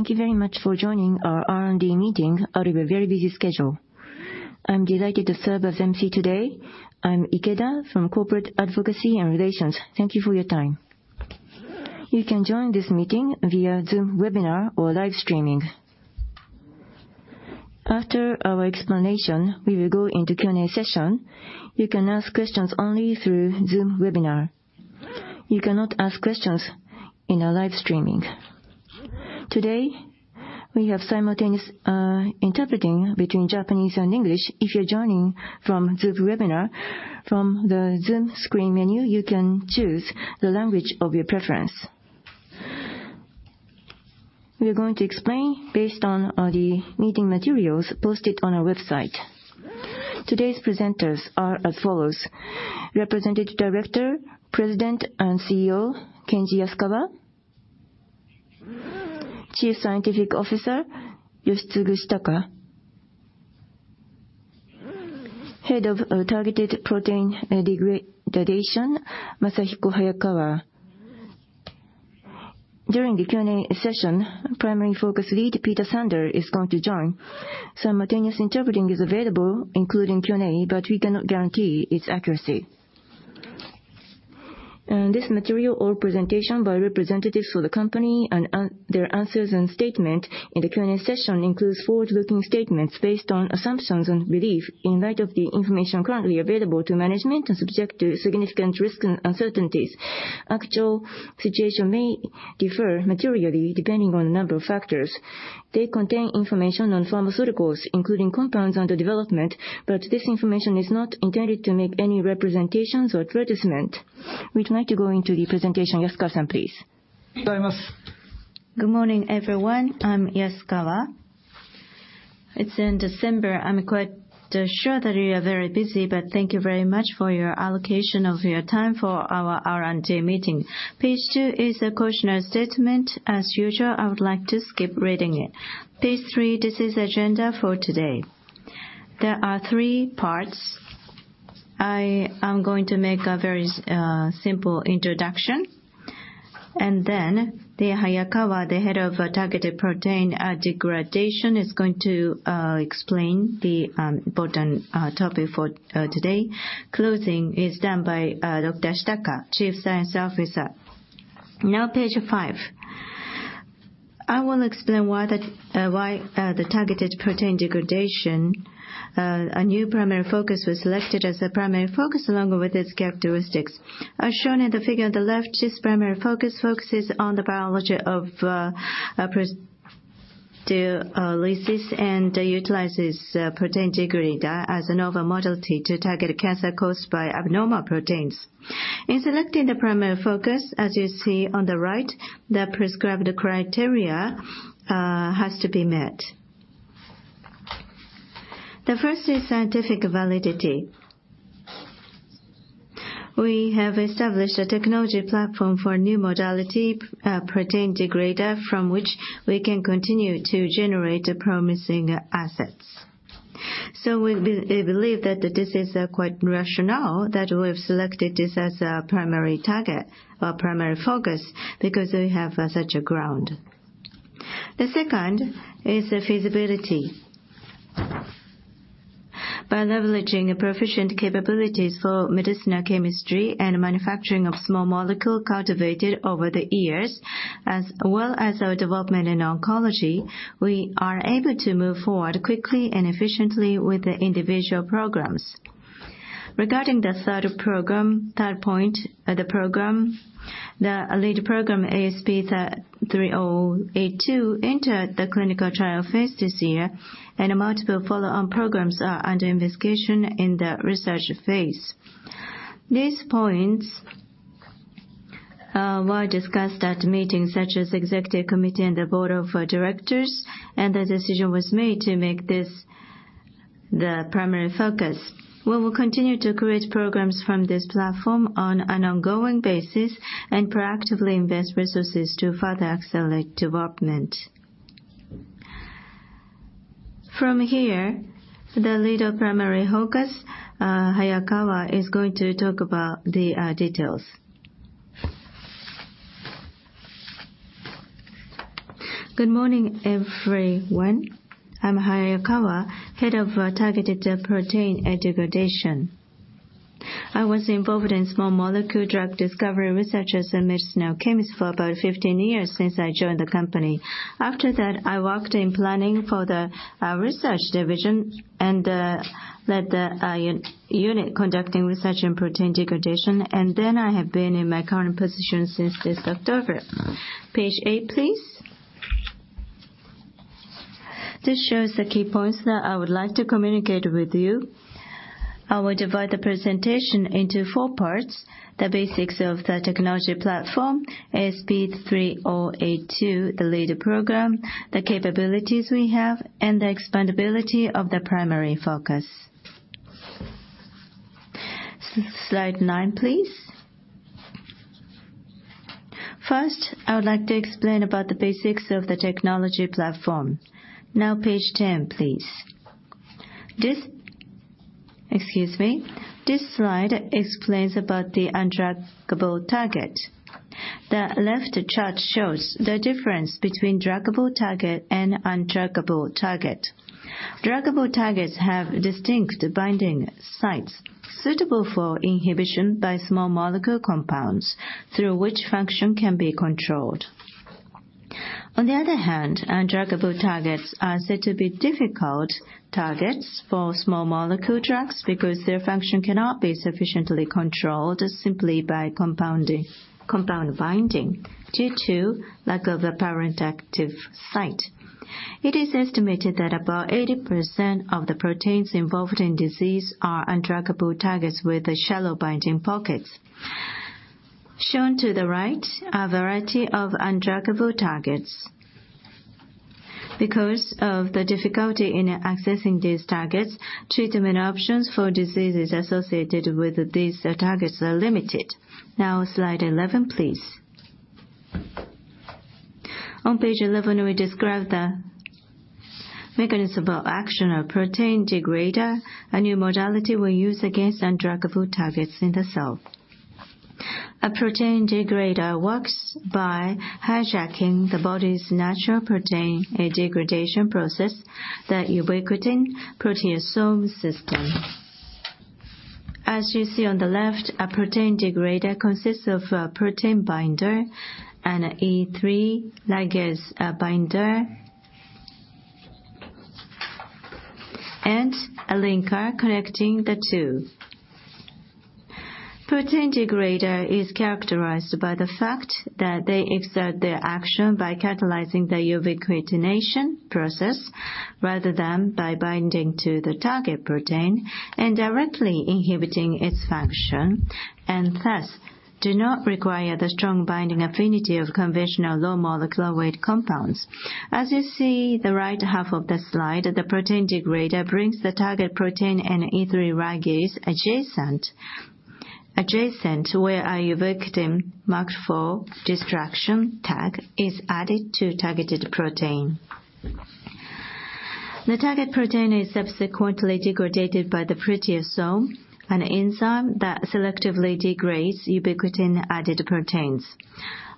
Thank you very much for joining our R&D meeting out of a very busy schedule. I'm delighted to serve as MC today. I'm Ikeda from Corporate Advocacy and Relations. Thank you for your time. You can join this meeting via Zoom webinar or live streaming. After our explanation, we will go into Q&A session. You can ask questions only through Zoom webinar. You cannot ask questions in our live streaming. Today, we have simultaneous interpreting between Japanese and English. If you're joining from Zoom webinar, from the Zoom screen menu, you can choose the language of your preference. We are going to explain based on the meeting materials posted on our website. Today's presenters are as follows: Representative Director, President and CEO, Kenji Yasukawa. Chief Scientific Officer, Yoshitsugu Shitaka. Head of Targeted Protein Degradation, Masahiko Hayakawa. During the Q&A session, Primary Focus Lead, Peter Sandor, is going to join. Simultaneous interpreting is available, including Q&A, but we cannot guarantee its accuracy. This material or presentation by representatives for the Company and their answers and statement in the Q&A session includes forward-looking statements based on assumptions and belief in light of the information currently available to management and subject to significant risk and uncertainties. Actual situation may differ materially depending on a number of factors. They contain information on pharmaceuticals, including compounds under development, but this information is not intended to make any representations or advertisement. We'd like to go into the presentation. Yasukawa-san, please. Good morning, everyone. I'm Yasukawa. It's in December. I'm quite sure that you are very busy. Thank you very much for your allocation of your time for our R&D meeting. Page 2 is a cautionary statement. As usual, I would like to skip reading it. Page 3. This is agenda for today. There are 3 parts. I am going to make a very simple introduction. The Hayakawa, the Head of Targeted Protein Degradation, is going to explain the bottom topic for today. Closing is done by Dr. Shitaka, Chief Scientific Officer. Page 5. I will explain why the Targeted Protein Degradation, a new primary focus, was selected as the primary focus along with its characteristics. As shown in the figure on the left, this primary focus focuses on the biology of proteolysis and utilizes protein degrader as a novel modality to target cancer caused by abnormal proteins. In selecting the primary focus, as you see on the right, the prescribed criteria has to be met. The first is scientific validity. We have established a technology platform for a new modality, protein degrader, from which we can continue to generate promising assets. We believe that this is quite rationale that we've selected this as our primary target or primary focus because we have such a ground. The second is the feasibility. By leveraging proficient capabilities for medicinal chemistry and manufacturing of small molecule cultivated over the years, as well as our development in oncology, we are able to move forward quickly and efficiently with the individual programs. Regarding the 3rd program, 3rd point of the program, the lead program ASP3082 entered the clinical trial phase this year, and multiple follow-on programs are under investigation in the research phase. These points were discussed at meetings such as Executive Committee and the Board of Directors, and the decision was made to make this the primary focus. We will continue to create programs from this platform on an ongoing basis and proactively invest resources to further accelerate development. From here, the lead of primary focus, Hayakawa, is going to talk about the details. Good morning, everyone. I'm Hayakawa, Head of Targeted Protein Degradation. I was involved in small molecule drug discovery research as a medicinal chemist for about 15 years since I joined the company. After that, I worked in planning for the research division and led the unit conducting research in protein degradation, and then I have been in my current position since this October. Page 8, please. This shows the key points that I would like to communicate with you. I will divide the presentation into four parts: the basics of the technology platform, ASP3082, the lead program, the capabilities we have, and the expandability of the Primary Focus. Slide 9, please. First, I would like to explain about the basics of the technology platform. Now page 10, please. Excuse me. This slide explains about the undruggable target. The left chart shows the difference between druggable target and undruggable target. Druggable targets have distinct binding sites suitable for inhibition by small molecule compounds, through which function can be controlled. On the other hand, undruggable targets are said to be difficult targets for small molecule drugs because their function cannot be sufficiently controlled simply by compound binding due to lack of apparent active site. It is estimated that about 80% of the proteins involved in disease are undruggable targets with shallow binding pockets. Shown to the right are a variety of undruggable targets. Because of the difficulty in accessing these targets, treatment options for diseases associated with these targets are limited. Slide 11, please. On page 11, we describe the mechanism of action of protein degrader, a new modality we use against undruggable targets in the cell. A protein degrader works by hijacking the body's natural protein and degradation process, the ubiquitin-proteasome system. As you see on the left, a protein degrader consists of a protein binder and E3 ligase binder. A linker connecting the two. Protein degrader is characterized by the fact that they exert their action by catalyzing the ubiquitination process, rather than by binding to the target protein and directly inhibiting its function, and thus do not require the strong binding affinity of conventional low molecular weight compounds. As you see the right half of the slide, the protein degrader brings the target protein and E3 ligase adjacent to where a ubiquitin marked for destruction tag is added to targeted protein. The target protein is subsequently degraded by the proteasome, an enzyme that selectively degrades ubiquitin-added proteins.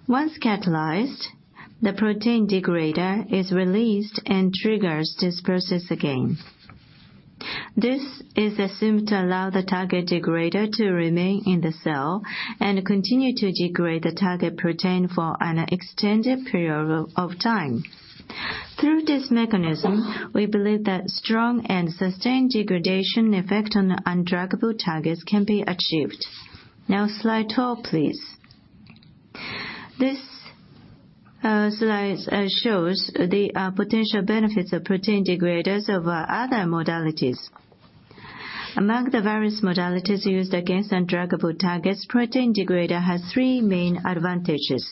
Once catalyzed, the protein degrader is released and triggers this process again. This is assumed to allow the target degrader to remain in the cell and continue to degrade the target protein for an extended period of time. Through this mechanism, we believe that strong and sustained degradation effect on undruggable targets can be achieved. Slide 12, please. This slide shows the potential benefits of protein degraders over other modalities. Among the various modalities used against undruggable targets, protein degrader has 3 main advantages.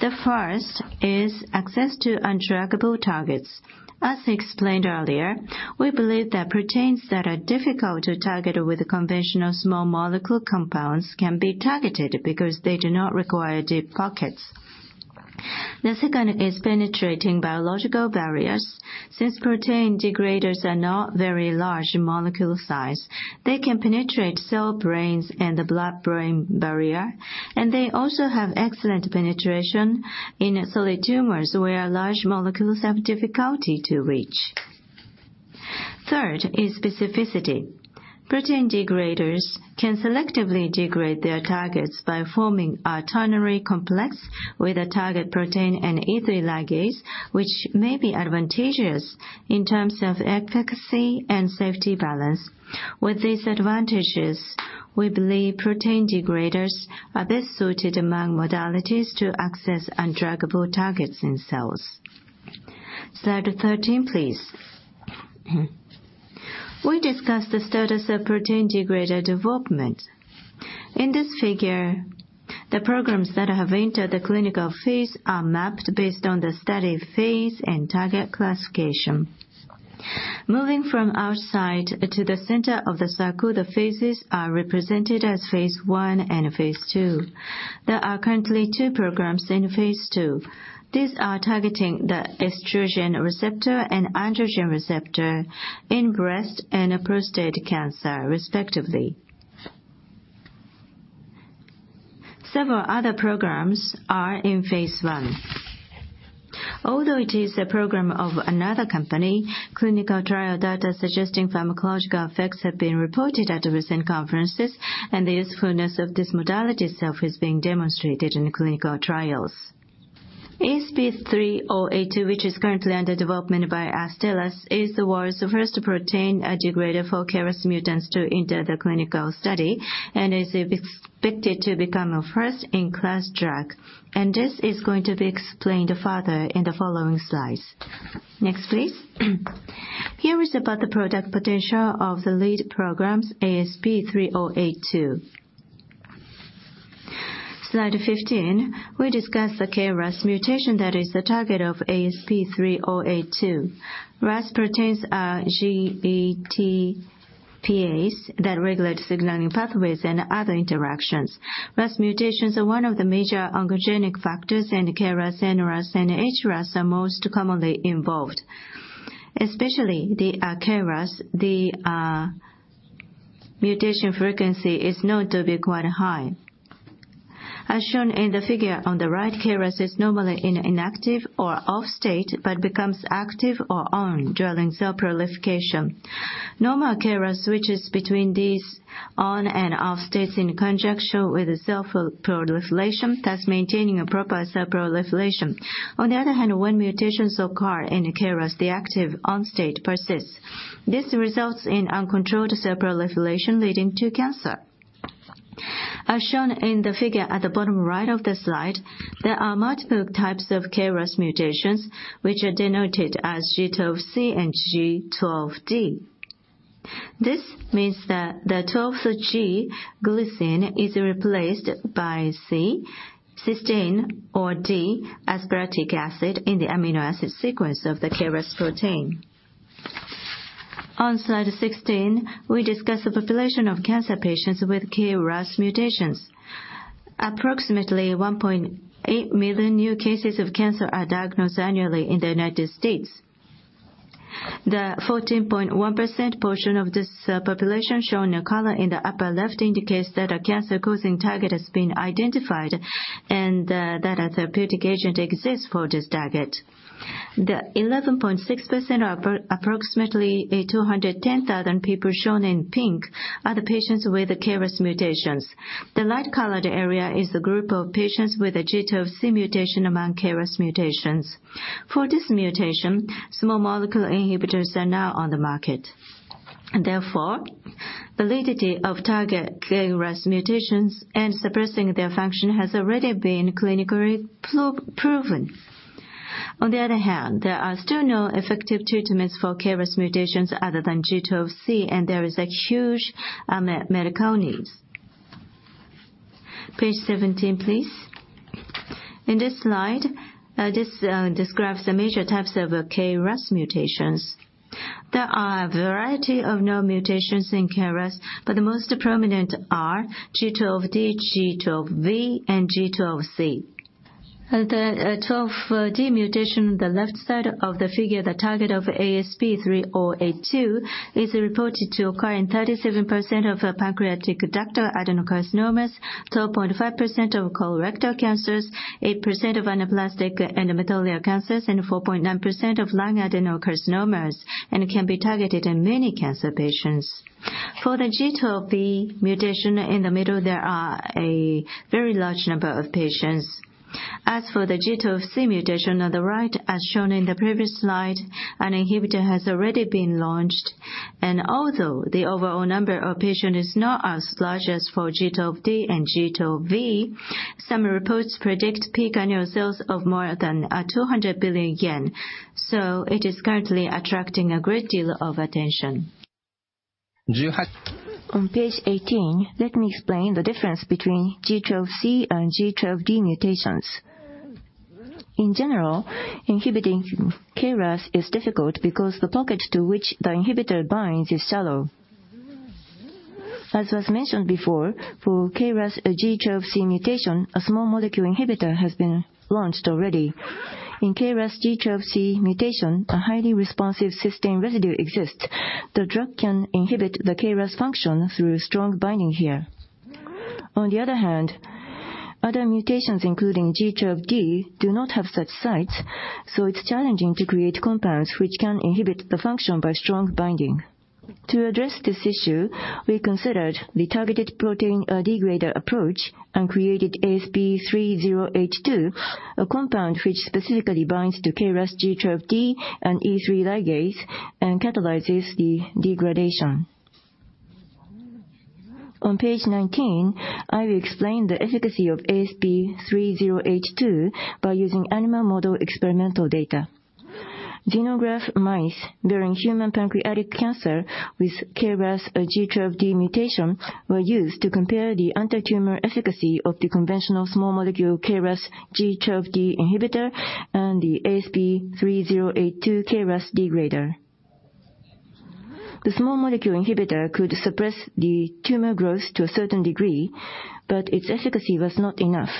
The first is access to undruggable targets. As explained earlier, we believe that proteins that are difficult to target with conventional small molecule compounds can be targeted because they do not require deep pockets. The second is penetrating biological barriers. Since protein degraders are not very large in molecule size, they can penetrate cell brains and the blood-brain barrier, and they also have excellent penetration in solid tumors, where large molecules have difficulty to reach. Third is specificity. Protein degraders can selectively degrade their targets by forming a ternary complex with a target protein and E3 ligase, which may be advantageous in terms of efficacy and safety balance. With these advantages, we believe protein degraders are best suited among modalities to access undruggable targets in cells. Slide 13, please. We discussed the status of protein degrader development. In this figure, the programs that have entered the clinical phase are mapped based on the study phase and target classification. Moving from outside to the center of the circle, the phases are represented as phase 1 and phase 2. There are currently 2 programs in phase 2. These are targeting the estrogen receptor and androgen receptor in breast and prostate cancer, respectively. Several other programs are in phase 1. Although it is a program of another company, clinical trial data suggesting pharmacological effects have been reported at recent conferences, the usefulness of this modality itself is being demonstrated in clinical trials. ASP3082, which is currently under development by Astellas, is the world's first protein degrader for KRAS mutants to enter the clinical study and is expected to become a first-in-class drug. This is going to be explained further in the following slides. Next, please. Here is about the product potential of the lead programs, ASP3082. Slide 15, we discuss the KRAS mutation that is the target of ASP3082. RAS proteins are GTPases that regulate signaling pathways and other interactions. RAS mutations are one of the major oncogenic factors, KRAS, NRAS, and HRAS are most commonly involved. Especially the KRAS mutation frequency is known to be quite high. As shown in the figure on the right, KRAS is normally in inactive or off state, but becomes active or on during cell proliferation. Normal KRAS switches between these on and off states in conjunction with the cell proliferation, thus maintaining a proper cell proliferation. On the other hand, when mutations occur in KRAS, the active on state persists. This results in uncontrolled cell proliferation leading to cancer. As shown in the figure at the bottom right of the slide, there are multiple types of KRAS mutations, which are denoted as G12C and G12D. This means that the 12th G glycine is replaced by C, cysteine, or D, aspartic acid, in the amino acid sequence of the KRAS protein. On slide 16, we discuss the population of cancer patients with KRAS mutations. Approximately 1.8 million new cases of cancer are diagnosed annually in the United States. The 14.1% portion of this population shown in color in the upper left indicates that a cancer-causing target has been identified and that a therapeutic agent exists for this target. The 11.6% or approximately 210,000 people shown in pink are the patients with KRAS mutations. The light-colored area is the group of patients with a G12C mutation among KRAS mutations. For this mutation, small molecule inhibitors are now on the market. Therefore, validity of target KRAS mutations and suppressing their function has already been clinically proven. On the other hand, there are still no effective treatments for KRAS mutations other than G12C, and there is a huge medical needs. Page 17, please. In this slide, this describes the major types of KRAS mutations. There are a variety of known mutations in KRAS, but the most prominent are G12D, G12V, and G12C. The 12D mutation on the left side of the figure, the target of ASP3082, is reported to occur in 37% of pancreatic ductal adenocarcinomas, 12.5% of colorectal cancers, 8% of anaplastic endometrioid cancers, and 4.9% of lung adenocarcinomas, and can be targeted in many cancer patients. For the G12V mutation in the middle, there are a very large number of patient. As for the G12C mutation on the right, as shown in the previous slide, an inhibitor has already been launched. Although the overall number of patient is not as large as for G12D and G12V, some reports predict peak annual sales of more than 200 billion yen. It is currently attracting a great deal of attention. On page 18, let me explain the difference between G12C and G12D mutations. In general, inhibiting KRAS is difficult because the pocket to which the inhibitor binds is shallow. As was mentioned before, for KRAS G12C mutation, a small molecule inhibitor has been launched already. In KRAS G12C mutation, a highly responsive cysteine residue exists. The drug can inhibit the KRAS function through strong binding here. Other mutations, including G12D, do not have such sites, it's challenging to create compounds which can inhibit the function by strong binding. To address this issue, we considered the targeted protein degrader approach and created ASP3082, a compound which specifically binds to KRAS G12D and E3 ligase and catalyzes the degradation. On page 19, I will explain the efficacy of ASP3082 by using animal model experimental data. Xenograft mice bearing human pancreatic cancer with KRAS G12D mutation were used to compare the anti-tumor efficacy of the conventional small molecule KRAS G12D inhibitor and the ASP3082 KRAS degrader. The small molecule inhibitor could suppress the tumor growth to a certain degree, its efficacy was not enough.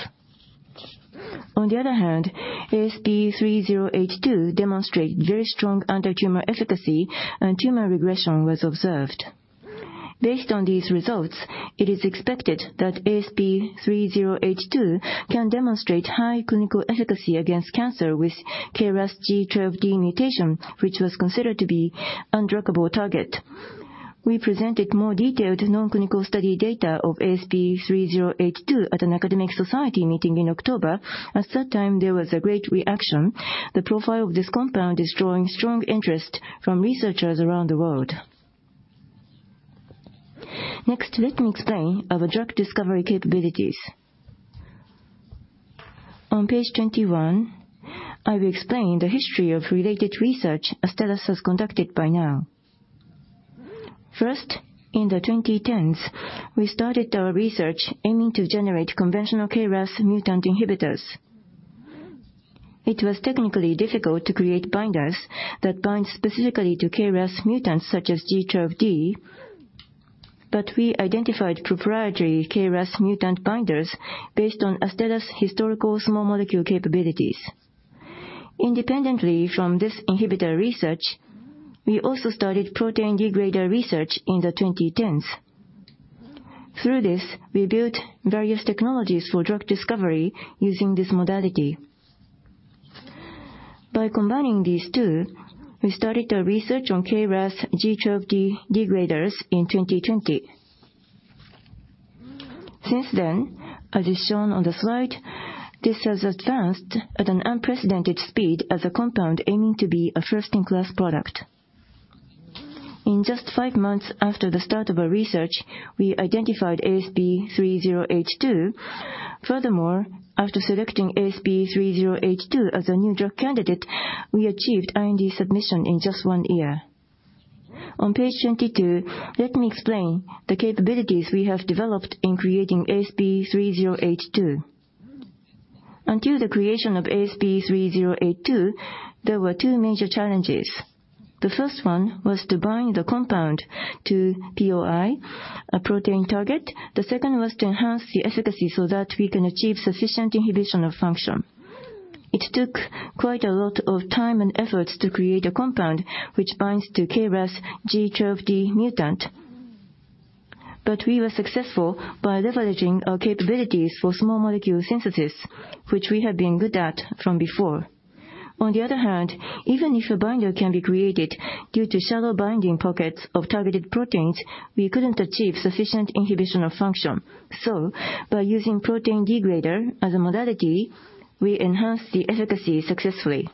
ASP3082 demonstrate very strong anti-tumor efficacy and tumor regression was observed. Based on these results, it is expected that ASP3082 can demonstrate high clinical efficacy against cancer with KRAS G12D mutation, which was considered to be undruggable target. We presented more detailed non-clinical study data of ASP3082 at an academic society meeting in October. At that time, there was a great reaction. The profile of this compound is drawing strong interest from researchers around the world. Let me explain our drug discovery capabilities. On page 21, I will explain the history of related research Astellas has conducted by now. In the 2010s, we started our research aiming to generate conventional KRAS mutant inhibitors. It was technically difficult to create binders that bind specifically to KRAS mutants such as G12D, but we identified proprietary KRAS mutant binders based on Astellas' historical small molecule capabilities. Independently from this inhibitor research, we also started protein degrader research in the 2010s. Through this, we built various technologies for drug discovery using this modality. By combining these 2, we started a research on KRAS G12D degraders in 2020. Since then, as is shown on the slide, this has advanced at an unprecedented speed as a compound aiming to be a first-in-class product. In just 5 months after the start of our research, we identified ASP3082. Furthermore, after selecting ASP3082 as a new drug candidate, we achieved IND submission in just 1 year. On page 22, let me explain the capabilities we have developed in creating ASP3082. Until the creation of ASP3082, there were 2 major challenges. The first one was to bind the compound to POI, a protein target. The second was to enhance the efficacy so that we can achieve sufficient inhibition of function. It took quite a lot of time and efforts to create a compound which binds to KRAS G12D mutant. We were successful by leveraging our capabilities for small molecule synthesis, which we have been good at from before. On the other hand, even if a binder can be created, due to shallow binding pockets of targeted proteins, we couldn't achieve sufficient inhibitional function. By using protein degrader as a modality, we enhanced the efficacy successfully.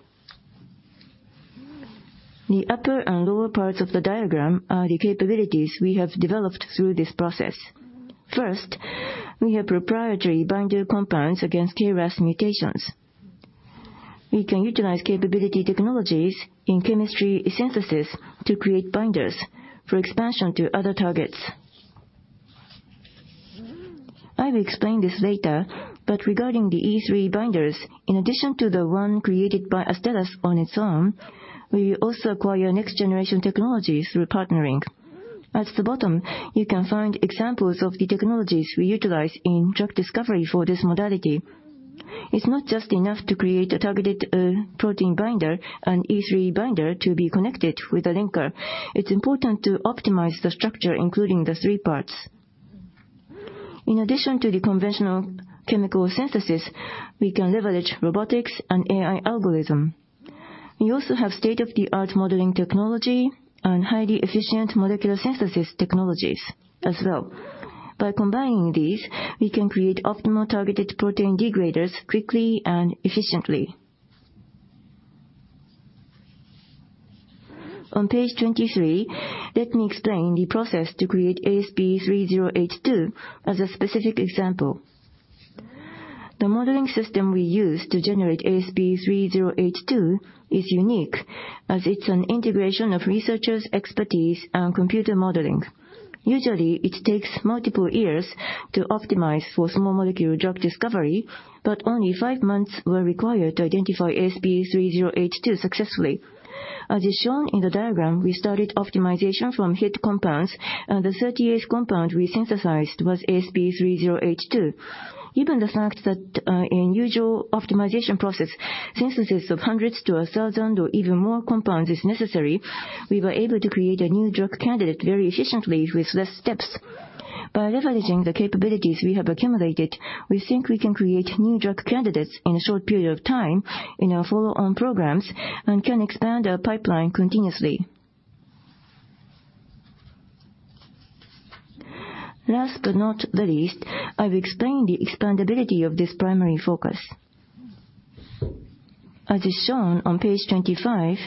The upper and lower parts of the diagram are the capabilities we have developed through this process. First, we have proprietary binder compounds against KRAS mutations. We can utilize capability technologies in chemistry synthesis to create binders for expansion to other targets. I will explain this later. Regarding the E3 binders, in addition to the one created by Astellas on its own, we also acquire next-generation technologies through partnering. At the bottom, you can find examples of the technologies we utilize in drug discovery for this modality. It's not just enough to create a targeted protein binder and E3 binder to be connected with a linker. It's important to optimize the structure, including the three parts. In addition to the conventional chemical synthesis, we can leverage robotics and AI algorithm. We also have state-of-the-art modeling technology and highly efficient molecular synthesis technologies as well. By combining these, we can create optimal targeted protein degraders quickly and efficiently. On page 23, let me explain the process to create ASP3082 as a specific example. The modeling system we use to generate ASP3082 is unique, as it's an integration of researchers' expertise and computer modeling. Usually, it takes multiple years to optimize for small molecule drug discovery, but only 5 months were required to identify ASP3082 successfully. As is shown in the diagram, we started optimization from hit compounds, and the 38th compound we synthesized was ASP3082. Given the fact that, in usual optimization process, synthesis of hundreds to 1,000 or even more compounds is necessary, we were able to create a new drug candidate very efficiently with less steps. By leveraging the capabilities we have accumulated, we think we can create new drug candidates in a short period of time in our follow-on programs and can expand our pipeline continuously. Last but not the least, I will explain the expandability of this primary focus. As is shown on page 25,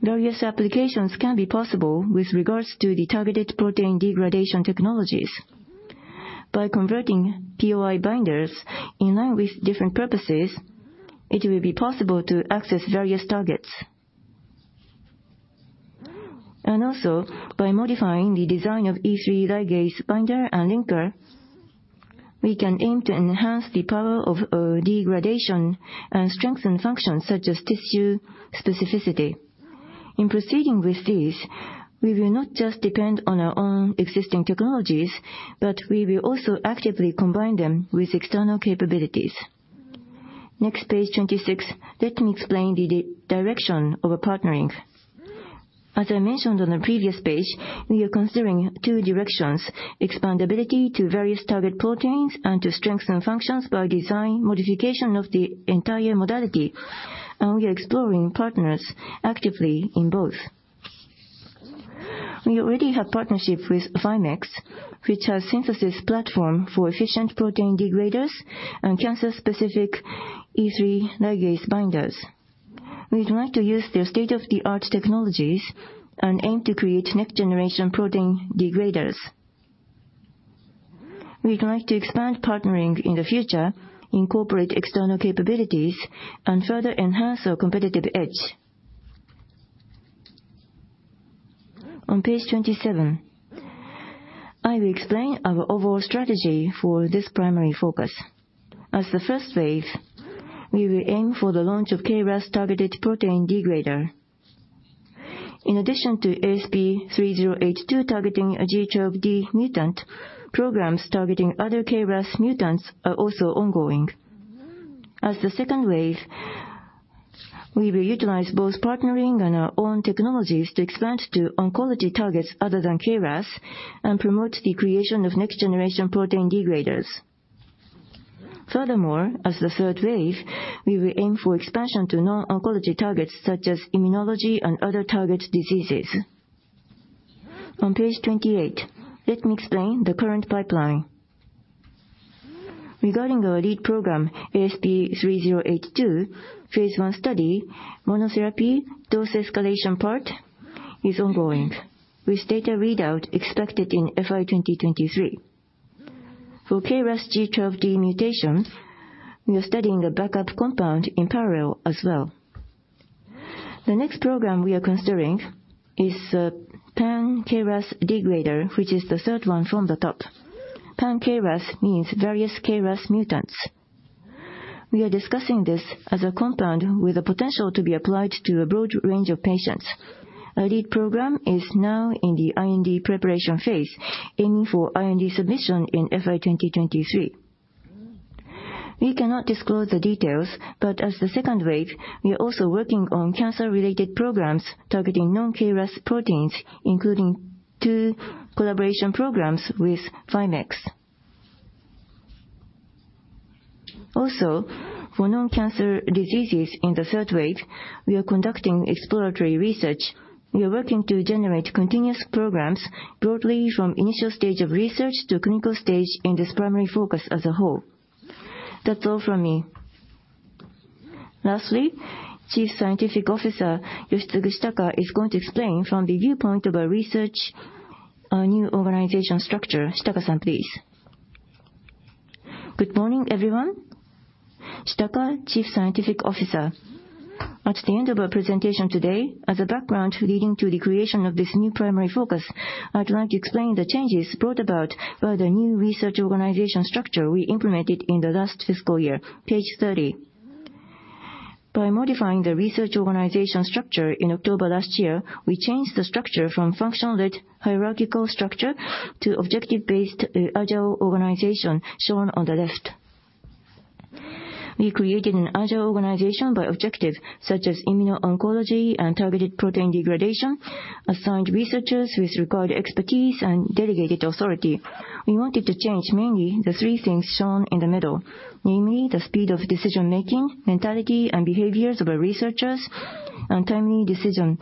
various applications can be possible with regards to the targeted protein degradation technologies. By converting POI binders in line with different purposes, it will be possible to access various targets. Also, by modifying the design of E3 ligase binder and linker, we can aim to enhance the power of degradation and strengthen functions such as tissue specificity. In proceeding with this, we will not just depend on our own existing technologies, but we will also actively combine them with external capabilities. Next, page 26, let me explain the direction of our partnering. As I mentioned on the previous page, we are considering two directions, expandability to various target proteins and to strengthen functions by design modification of the entire modality. We are exploring partners actively in both. We already have partnership with FIMECS, which has synthesis platform for efficient protein degraders and cancer-specific E3 ligase binders. We would like to use their state-of-the-art technologies and aim to create next-generation protein degraders. We would like to expand partnering in the future, incorporate external capabilities, and further enhance our competitive edge. On page 27, I will explain our overall strategy for this primary focus. As the first phase, we will aim for the launch of KRAS-targeted protein degrader. In addition to ASP3082 targeting a G12D mutant, programs targeting other KRAS mutants are also ongoing. As the second wave, we will utilize both partnering and our own technologies to expand to oncology targets other than KRAS and promote the creation of next-generation protein degraders. As the third wave, we will aim for expansion to non-oncology targets, such as immunology and other target diseases. On page 28, let me explain the current pipeline. Regarding our lead program, ASP3082, phase 1 study, monotherapy dose escalation part is ongoing, with data readout expected in FY2023. For KRAS G12D mutations, we are studying a backup compound in parallel as well. The next program we are considering is pan-KRAS degrader, which is the third one from the top. Pan-KRAS means various KRAS mutants. We are discussing this as a compound with the potential to be applied to a broad range of patients. Our lead program is now in the IND preparation phase, aiming for IND submission in FY2023. We cannot disclose the details, but as the second wave, we are also working on cancer-related programs targeting non-KRAS proteins, including 2 collaboration programs with FIMECS. For non-cancer diseases in the third wave, we are conducting exploratory research. We are working to generate continuous programs broadly from initial stage of research to clinical stage in this primary focus as a whole. That's all from me. Lastly, Chief Scientific Officer Yoshitsugu Shitaka is going to explain from the viewpoint of our research, our new organization structure. Shitaka-san, please. Good morning, everyone. Shitaka, Chief Scientific Officer. At the end of our presentation today, as a background leading to the creation of this new Primary Focus, I'd like to explain the changes brought about by the new research organization structure we implemented in the last fiscal year. Page 30. By modifying the research organization structure in October last year, we changed the structure from functional lead hierarchical structure to objective-based, agile organization shown on the left. We created an agile organization by objective, such as immuno-oncology and Targeted Protein Degradation, assigned researchers with required expertise, and delegated authority. We wanted to change mainly the 3 things shown in the middle, namely the speed of decision-making, mentality, and behaviors of our researchers, and timely decision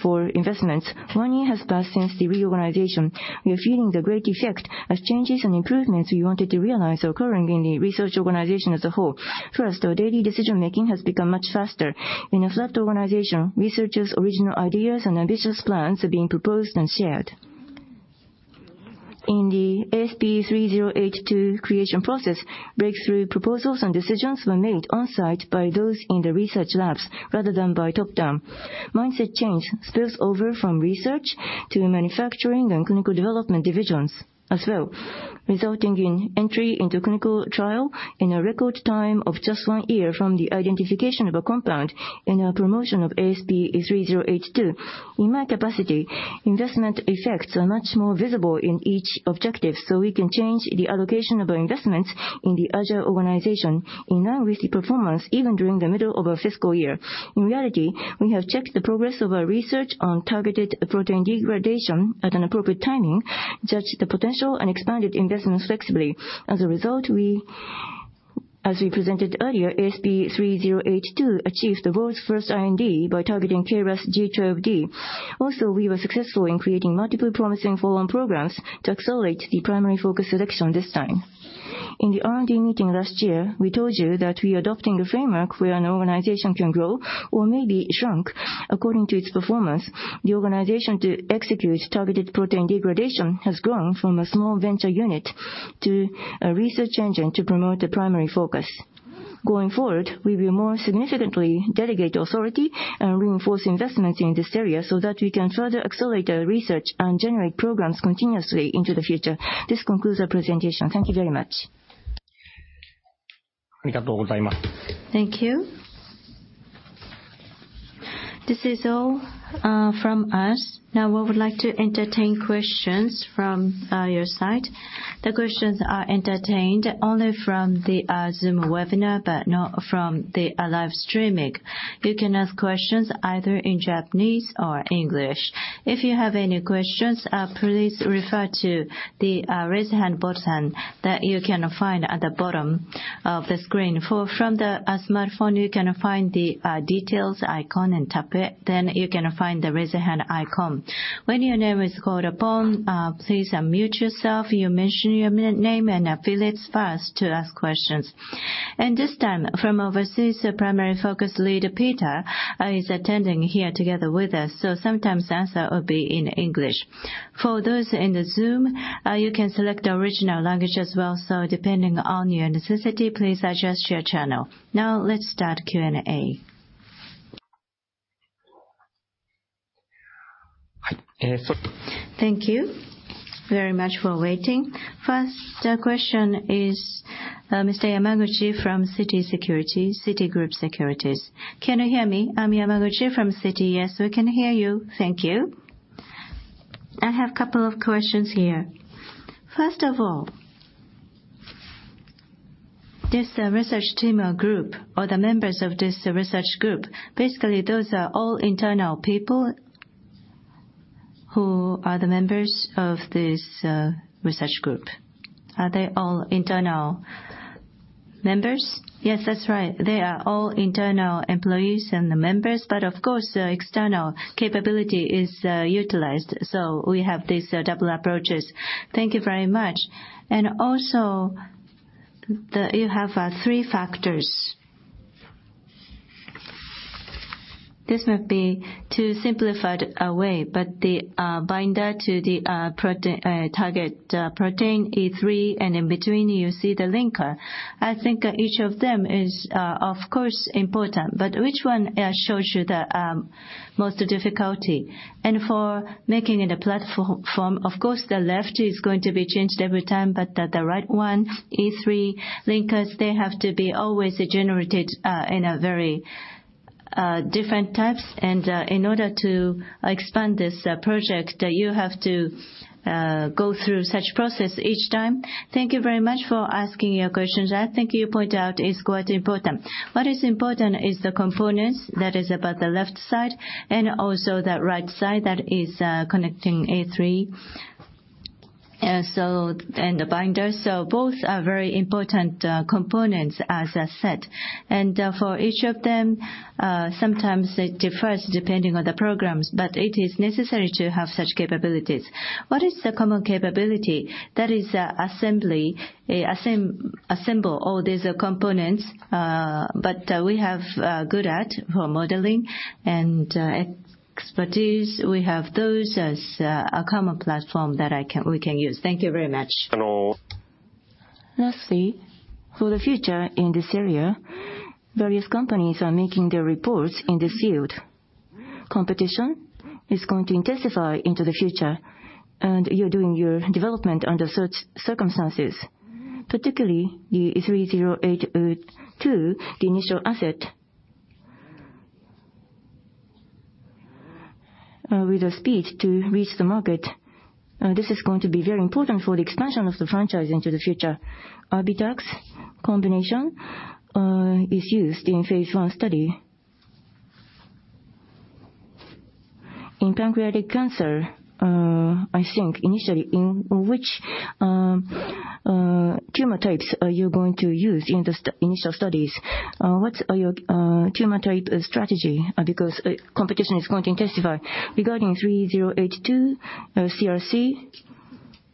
for investments. One year has passed since the reorganization. We are feeling the great effect as changes and improvements we wanted to realize are occurring in the research organization as a whole. First, our daily decision-making has become much faster. In a flat organization, researchers' original ideas and ambitious plans are being proposed and shared. In the ASP3082 creation process, breakthrough proposals and decisions were made on-site by those in the research labs rather than by top-down. Mindset change spills over from research to manufacturing and clinical development divisions as well, resulting in entry into clinical trial in a record time of just one year from the identification of a compound and a promotion of ASP3082. In my capacity, investment effects are much more visible in each objective, we can change the allocation of our investments in the agile organization in line with the performance, even during the middle of our fiscal year. In reality, we have checked the progress of our research on Targeted Protein Degradation at an appropriate timing, judged the potential, and expanded investments flexibly. As a result, as we presented earlier, ASP3082 achieved the world's first IND by targeting KRAS G12D. We were successful in creating multiple promising follow-on programs to accelerate the Primary Focus selection this time. In the R&D meeting last year, we told you that we are adopting a framework where an organization can grow or maybe shrunk according to its performance. The organization to execute Targeted Protein Degradation has grown from a small venture unit to a research engine to promote the Primary Focus. We will more significantly delegate authority and reinforce investments in this area so that we can further accelerate our research and generate programs continuously into the future. This concludes our presentation. Thank you very much. Thank you. This is all from us. We would like to entertain questions from your side. The questions are entertained only from the Zoom webinar, but not from the live streaming. You can ask questions either in Japanese or English. If you have any questions, please refer to the raise hand button that you can find at the bottom of the screen. From the smartphone, you can find the Details icon and tap it. You can find the Raise Your Hand icon. When your name is called upon, please unmute yourself. You mention your name and affiliates first to ask questions. This time, from overseas, our primary focus lead, Peter is attending here together with us. Sometimes the answer will be in English. For those in the Zoom, you can select original language as well. Depending on your necessity, please adjust your channel. Now let's start Q&A. Thank you very much for waiting. First, question is, Mr. Yamaguchi from Citigroup Securities, Citigroup Securities. Can you hear me? I'm Yamaguchi from Citigroup. Yes, we can hear you. Thank you. I have a couple of questions here. First of all, this research team or group, or the members of this research group, basically those are all internal people. Who are the members of this research group? Are they all internal members? Yes, that's right. They are all internal employees and the members, but of course, the external capability is utilized, so we have these double approaches. Thank you very much. Also the... you have three factors. This might be too simplified a way, but the binder to the target protein, E3, and in between you see the linker. Each of them is, of course, important, but which one shows you the most difficulty? For making it a platform, of course, the left is going to be changed every time, but the right one, E3 linkers, they have to be always generated in a very different types. In order to expand this project, you have to go through such process each time. Thank you very much for asking your questions. You point out is quite important. What is important is the components, that is about the left side, and also the right side that is connecting E3. And the binder. Both are very important components as I said. For each of them, sometimes it differs depending on the programs, but it is necessary to have such capabilities. What is the common capability? That is assembly, assemble all these components. But we have good at for modeling and expertise. We have those as a common platform that I can, we can use. Thank you very much. Lastly, for the future in this area, various companies are making their reports in this field. Competition is going to intensify into the future, and you're doing your development under such circumstances. Particularly the ASP3082, the initial asset. With the speed to reach the market, this is going to be very important for the expansion of the franchise into the future. Erbitux combination is used in phase 1 study. In pancreatic cancer, I think initially, in which tumor types are you going to use in the initial studies? What are your tumor type strategy? Competition is going to intensify. Regarding 3082, CRC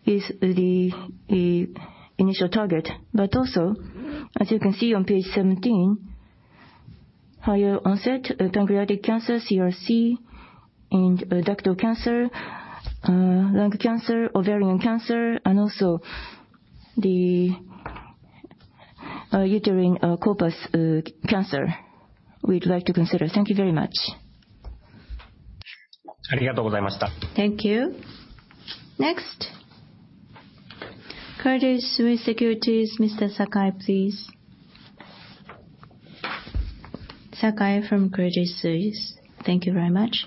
is the initial target. Also, as you can see on page 17, higher onset pancreatic cancer, CRC, and ductal cancer, lung cancer, ovarian cancer, and also the uterine corpus cancer, we'd like to consider. Thank you very much. Thank you. Thank you. Next, Credit Suisse Securities, Mr. Sakai, please. Sakai from Credit Suisse. Thank you very much.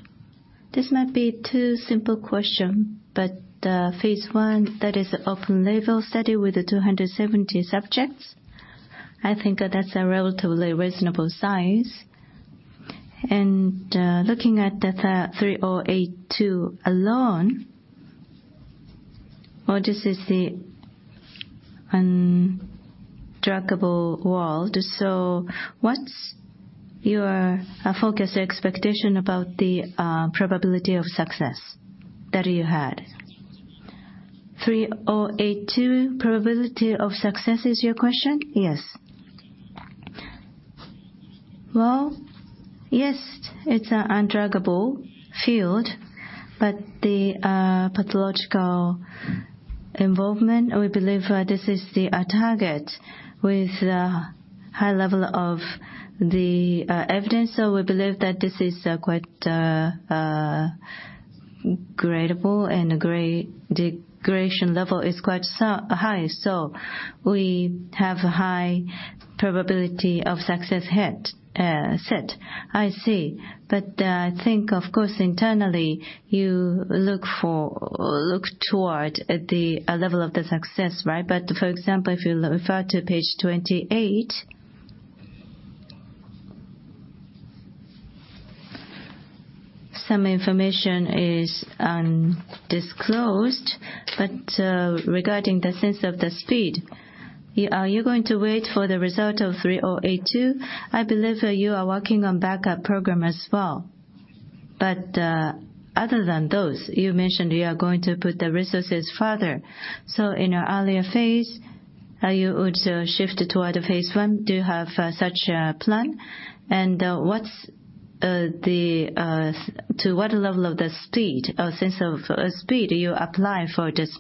This might be two simple question, but the phase 1, that is open label study with the 270 subjects, I think that's a relatively reasonable size. Looking at the ASP3082 alone, or this is the undruggable world. What's your focus or expectation about the probability of success that you had? ASP3082 probability of success is your question? Yes. Well, yes, it's a undruggable field, but the pathological involvement, we believe, this is the target with a high level of the evidence. We believe that this is quite gradable and gradation level is quite so high. We have a high probability of success hit set. I see. Of course internally you look toward the level of the success, right? For example, if you refer to page 28. Some information is undisclosed, regarding the sense of the speed, are you going to wait for the result of 3082? I believe you are working on backup program as well. Other than those, you mentioned you are going to put the resources further. In an earlier phase, are you shift toward a phase 1? Do you have such a plan? What's the to what level of the speed or sense of speed you apply for this?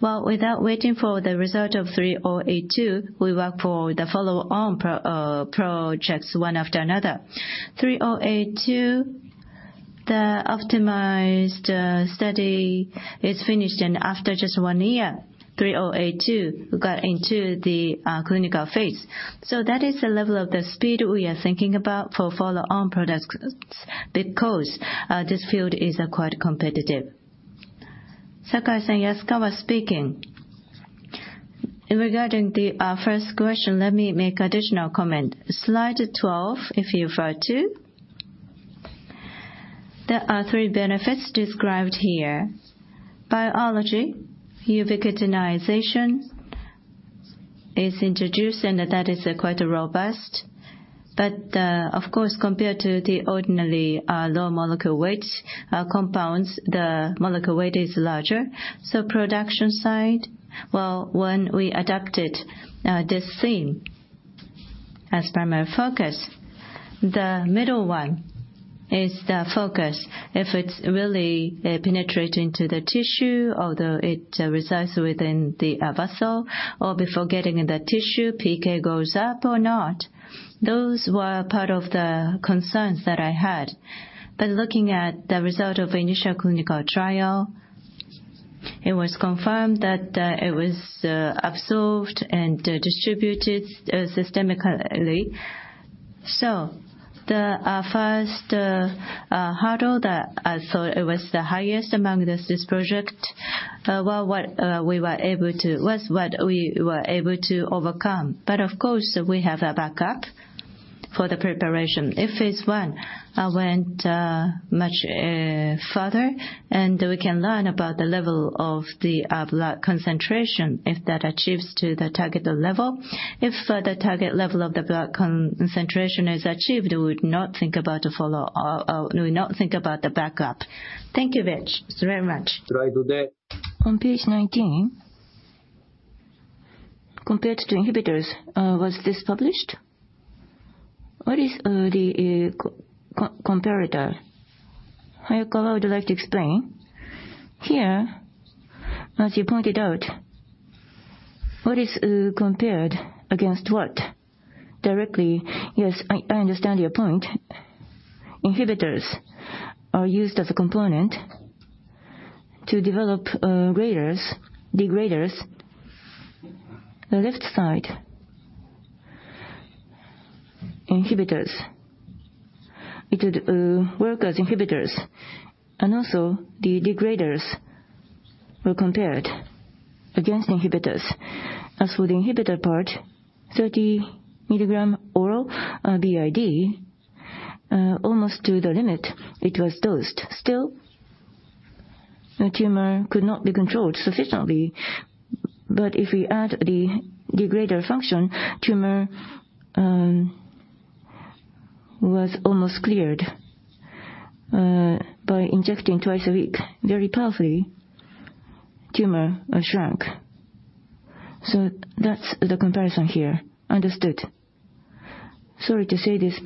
Well, without waiting for the result of 3082, we work for the follow-on projects one after another. ASP3082. The optimized study is finished, and after just 1 year, ASP3082 got into the clinical phase. That is the level of the speed we are thinking about for follow-on products because this field is quite competitive. Yasukawa speaking. Regarding the first question, let me make additional comment. Slide 12, if you refer to. There are three benefits described here. Biology, ubiquitination is introduced, and that is quite robust. Of course, compared to the ordinarily low molecular weight compounds, the molecular weight is larger. Production side, well, when we adapted this theme as Primary Focus, the middle one is the focus. If it's really penetrating to the tissue, although it resides within the vessel or before getting in the tissue, PK goes up or not. Those were part of the concerns that I had. Looking at the result of initial clinical trial, it was confirmed that it was absorbed and distributed systemically. The first hurdle that I thought it was the highest among this project, well, what we were able to overcome. Of course, we have a backup for the preparation. If phase 1 went much further, and we can learn about the level of the blood concentration, if that achieves to the targeted level. If the target level of the blood concentration is achieved, we would not think about the follow or we would not think about the backup. Thank you very, very much. On page 19, compared to inhibitors, was this published? What is the comparator? Hayakawa would like to explain. Here, as you pointed out, what is compared against what? Directly, yes, I understand your point. Inhibitors are used as a component to develop degraders. The left side, inhibitors. It would work as inhibitors. Also, the degraders were compared against inhibitors. As for the inhibitor part, 30 milligram oral BID almost to the limit it was dosed. Still, the tumor could not be controlled sufficiently. If we add the degrader function, tumor was almost cleared by injecting twice a week, very powerfully, tumor shrunk. That's the comparison here. Understood. Sorry to say this,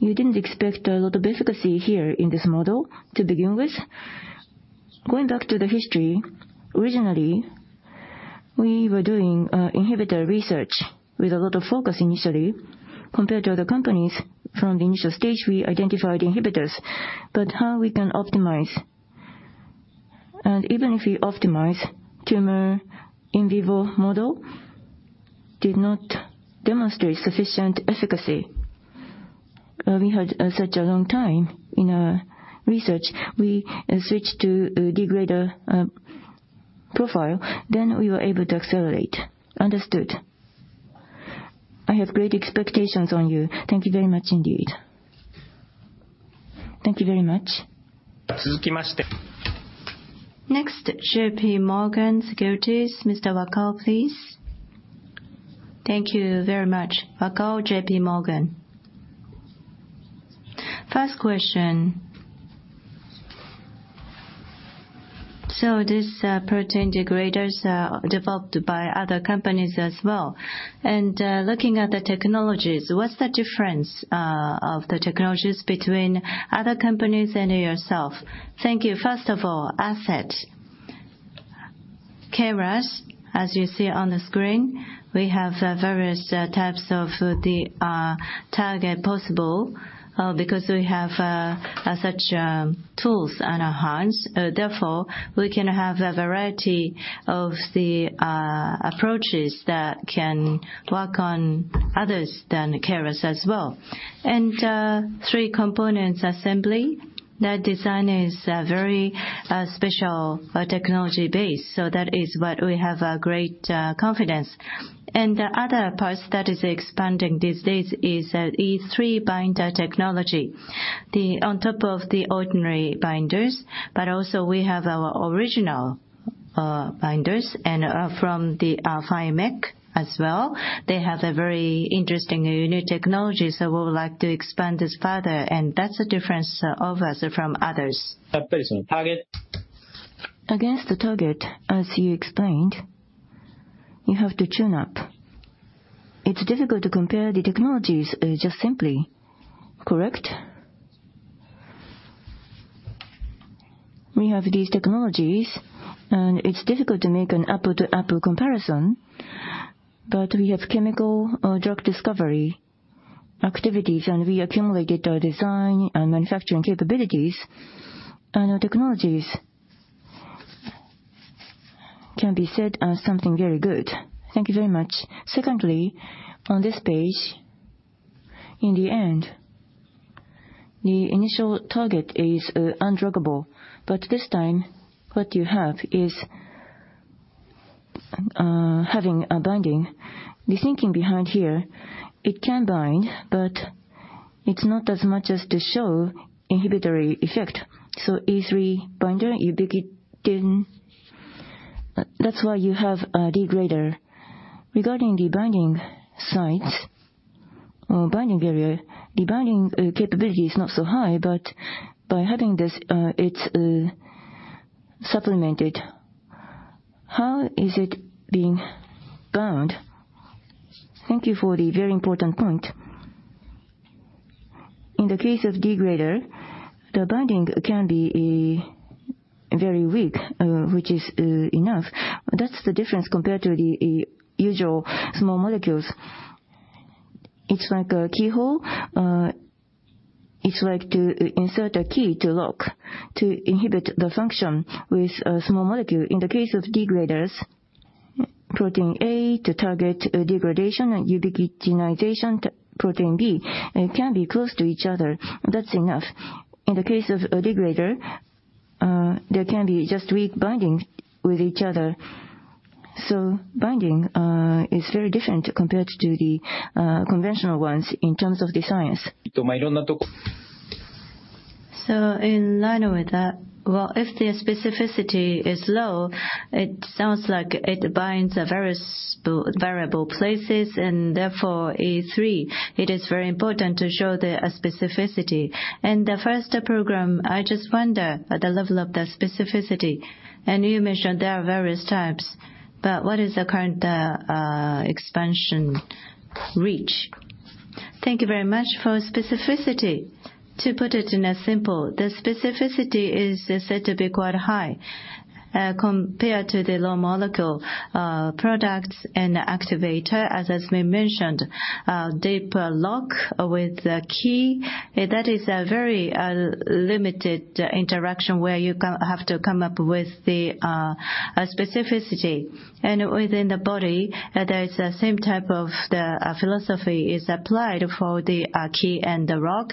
you didn't expect a lot of efficacy here in this model to begin with. Going back to the history, originally, we were doing inhibitor research with a lot of focus initially. Compared to other companies, from the initial stage, we identified inhibitors. How we can optimize? Even if we optimize, tumor in vivo model did not demonstrate sufficient efficacy. We had such a long time in our research. We switched to degrader profile, we were able to accelerate. Understood. I have great expectations on you. Thank you very much indeed. Thank you very much. Next, JP Morgan's, Goitis. Mr. Wakao, please. Thank you very much. Wakao, JP Morgan. First question. This protein degraders are developed by other companies as well. Looking at the technologies, what's the difference of the technologies between other companies and yourself? Thank you. First of all, asset. KRAS, as you see on the screen, we have various types of the target possible, because we have such tools on our hands. Therefore, we can have a variety of the approaches that can work on others than KRAS as well. Three components assembly. That design is very special technology-based, so that is what we have a great confidence. The other parts that is expanding these days is E3 binder technology. On top of the ordinary binders, but also we have our original binders and from the FIMECS as well. They have a very interesting and new technology, so we would like to expand this further. That's the difference of us from others. Against the target, as you explained, you have to tune up. It's difficult to compare the technologies, just simply. Correct? We have these technologies, and it's difficult to make an apple-to-apple comparison. We have chemical drug discovery activities, and we accumulated our design and manufacturing capabilities. Our technologies can be said as something very good. Thank you very much. Secondly, on this page, in the end, the initial target is undruggable, but this time what you have is having a binding. The thinking behind here, it can bind, but it's not as much as to show inhibitory effect. E3 binder ubiquitin. That's why you have a degrader. Regarding the binding sites or binding barrier, the binding capability is not so high, but by having this, it's supplemented. How is it being bound? Thank you for the very important point. In the case of degrader, the binding can be very weak, which is enough. That's the difference compared to the usual small molecules. It's like a keyhole. It's like to insert a key to lock to inhibit the function with a small molecule. In the case of degraders, protein A to target degradation and ubiquitination, protein B, it can be close to each other. That's enough. In the case of a degrader, there can be just weak binding with each other. Binding is very different compared to the conventional ones in terms of the science. In line with that, well, if the specificity is low, it sounds like it binds various variable places and therefore E3. It is very important to show the specificity. In the first program, I just wonder the level of the specificity, and you mentioned there are various types. What is the current expansion reach? Thank you very much. For specificity, to put it in a simple, the specificity is said to be quite high, compared to the low molecule products and activator. As has been mentioned, deep lock with a key, that is a very limited interaction where you co-have to come up with the specificity. Within the body, there is the same type of the philosophy is applied for the key and the lock.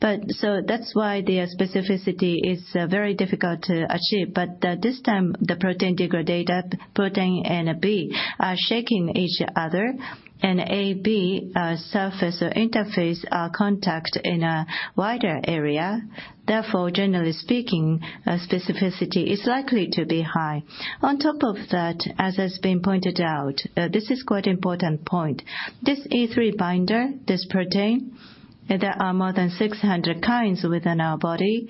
That's why the specificity is very difficult to achieve. This time, the protein degrader, protein N and B are shaking each other and AB surface interface are contact in a wider area. Generally speaking, specificity is likely to be high. On top of that, as has been pointed out, this is quite important point. This E3 binder, this protein, there are more than 600 kinds within our body.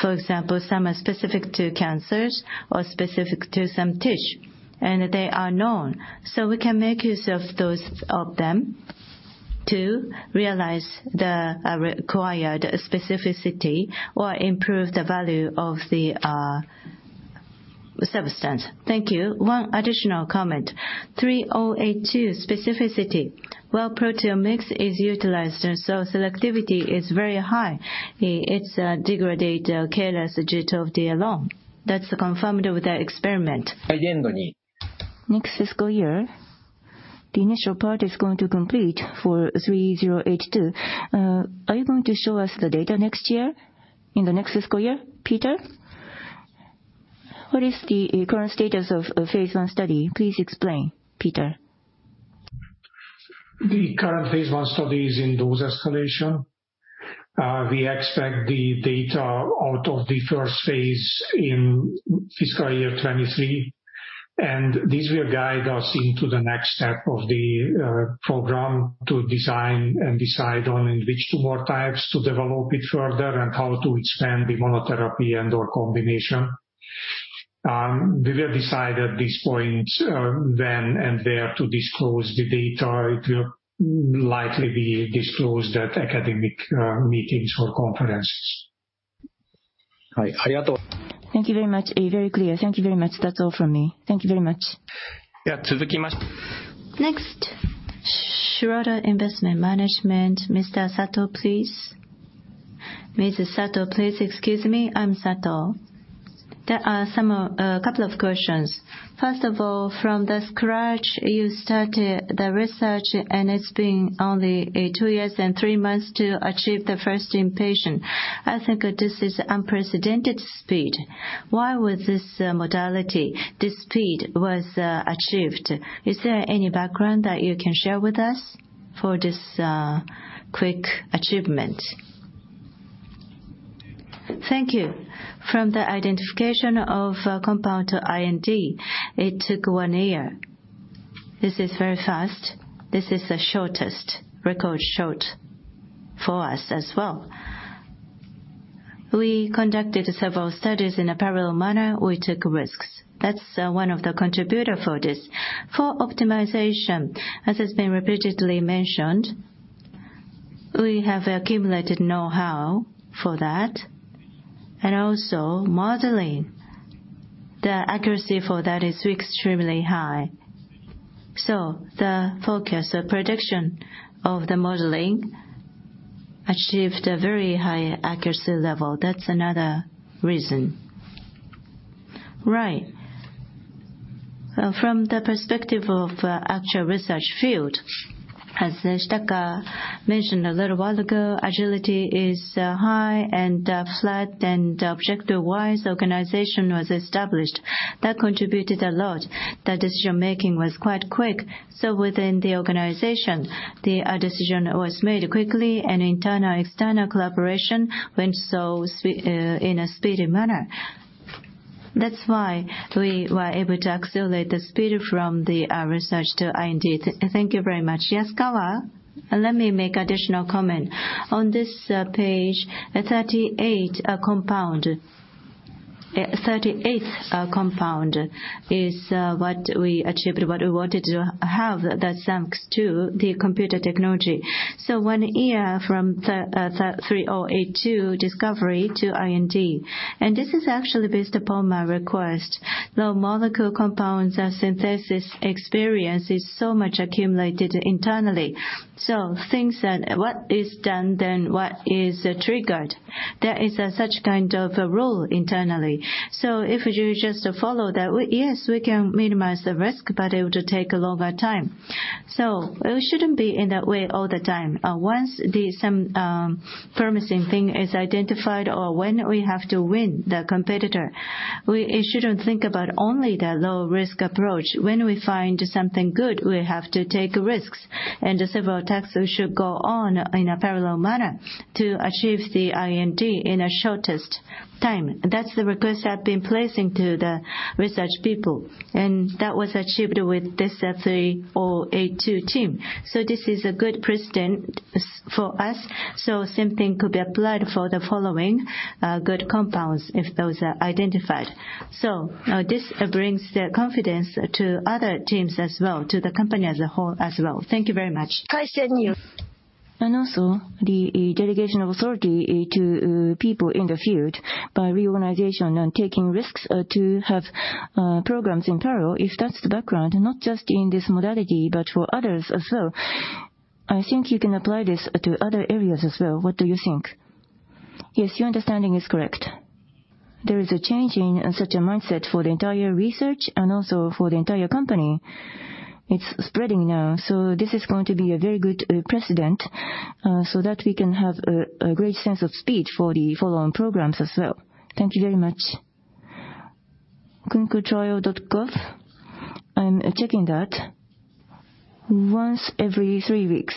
For example, some are specific to cancers or specific to some tissue, they are known. We can make use of those of them to realize the required specificity or improve the value of the substance. Thank you. 1 additional comment. 3082 specificity. While proteomics is utilized, selectivity is very high, it degrades KRAS G12D alone. That's confirmed with the experiment. Next fiscal year, the initial part is going to complete for 3082. Are you going to show us the data next year, in the next fiscal year, Peter? What is the current status of a phase 1 study? Please explain, Peter. The current phase 1 study is in dose escalation. We expect the data out of the first phase in fiscal year 2023. This will guide us into the next step of the program to design and decide on which two more types to develop it further and how to expand the monotherapy and/or combination. We will decide at this point when and where to disclose the data. It will likely be disclosed at academic meetings or conferences. Thank you very much. Very clear. Thank you very much. That's all from me. Thank you very much. Next, Schroder Investment Management, Mr. Sato, please. Mrs. Sato, please excuse me, I'm Sato. There are a couple of questions. First of all, from the scratch, you started the research, and it's been only 2 years and 3 months to achieve the first inpatient. This is unprecedented speed. Why would this modality, this speed was achieved? Is there any background that you can share with us for this quick achievement? Thank you. From the identification of compound IND, it took 1 year. This is very fast. This is the shortest, record short for us as well. We conducted several studies in a parallel manner. We took risks. That's one of the contributor for this. For optimization, as has been repeatedly mentioned. We have accumulated know-how for that. Also modeling. The accuracy for that is extremely high. The forecast, the prediction of the modeling achieved a very high accuracy level. That's another reason. Right. From the perspective of actual research field, as Shitaka mentioned a little while ago, agility is high and flat and objective-wise, the organization was established. That contributed a lot. The decision-making was quite quick. Within the organization the decision was made quickly and internal-external collaboration went in a speedy manner. That's why we were able to accelerate the speed from the research to R&D.Thank you very much. Yasukawa, let me make additional comment. On this page, 38 compound is what we achieved, what we wanted to have that thanks to the computer technology. One year from the ASP3082 discovery to IND. This is actually based upon my request. The molecule compounds are synthesis experience is so much accumulated internally. Things that what is done, then what is triggered. There is such a kind of a role internally. If you just follow that, we, yes, we can minimize the risk, but it would take a longer time. We shouldn't be in that way all the time. Once some promising thing is identified or when we have to win the competitor, we shouldn't think about only the low-risk approach. When we find something good, we have to take risks and several tests should go on in a parallel manner to achieve the IND in a shortest time. That's the request I've been placing to the research people, that was achieved with this ASP3082 team. This is a good precedent for us, same thing could be applied for the following, good compounds if those are identified. This brings the confidence to other teams as well, to the company as a whole as well. Thank you very much. Also the delegation of authority to people in the field by reorganization and taking risks to have programs in parallel, if that's the background, not just in this modality, but for others as well. You can apply this to other areas as well. What do you think? Yes, your understanding is correct. There is a change in such a mindset for the entire research and also for the entire company. It's spreading now. This is going to be a very good precedent so that we can have a great sense of speed for the following programs as well. Thank you very much. ClinicalTrials.gov. I'm checking that. Once every 3 weeks,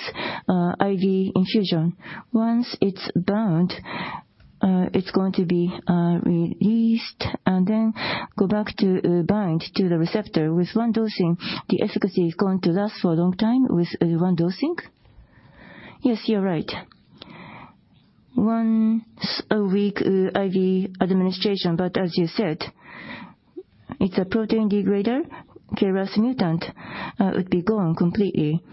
IV infusion. Once it's bound, it's going to be released and then go back to bind to the receptor. With 1 dosing, the efficacy is going to last for a long time with 1 dosing? Yes, you're right. Once a week, IV administration, but as you said, it's a protein degrader. KRAS mutant would be gone completely.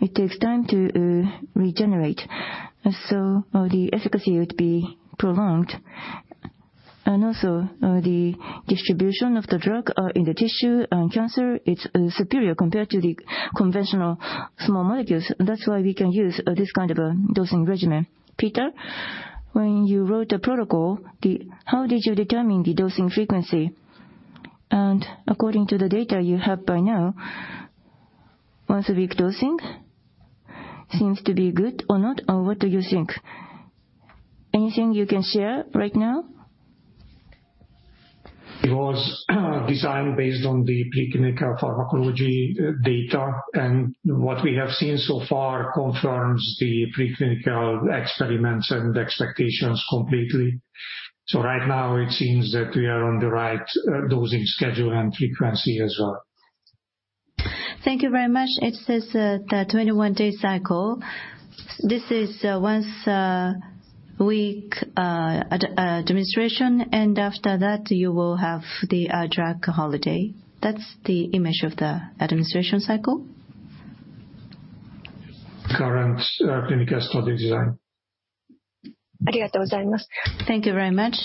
It takes time to regenerate. The efficacy would be prolonged. The distribution of the drug in the tissue and cancer, it's superior compared to the conventional small molecules. That's why we can use this kind of a dosing regimen. Peter, when you wrote the protocol, how did you determine the dosing frequency? According to the data you have by now, once-a-week dosing seems to be good or not? What do you think? Anything you can share right now? It was designed based on the preclinical pharmacology, data. What we have seen so far confirms the preclinical experiments and expectations completely. Right now it seems that we are on the right, dosing schedule and frequency as well. Thank you very much. It says, the 21-day cycle. This is once a week administration, and after that you will have the drug holiday. That's the image of the administration cycle? Current, clinical study design. Thank you very much. Thank you very much.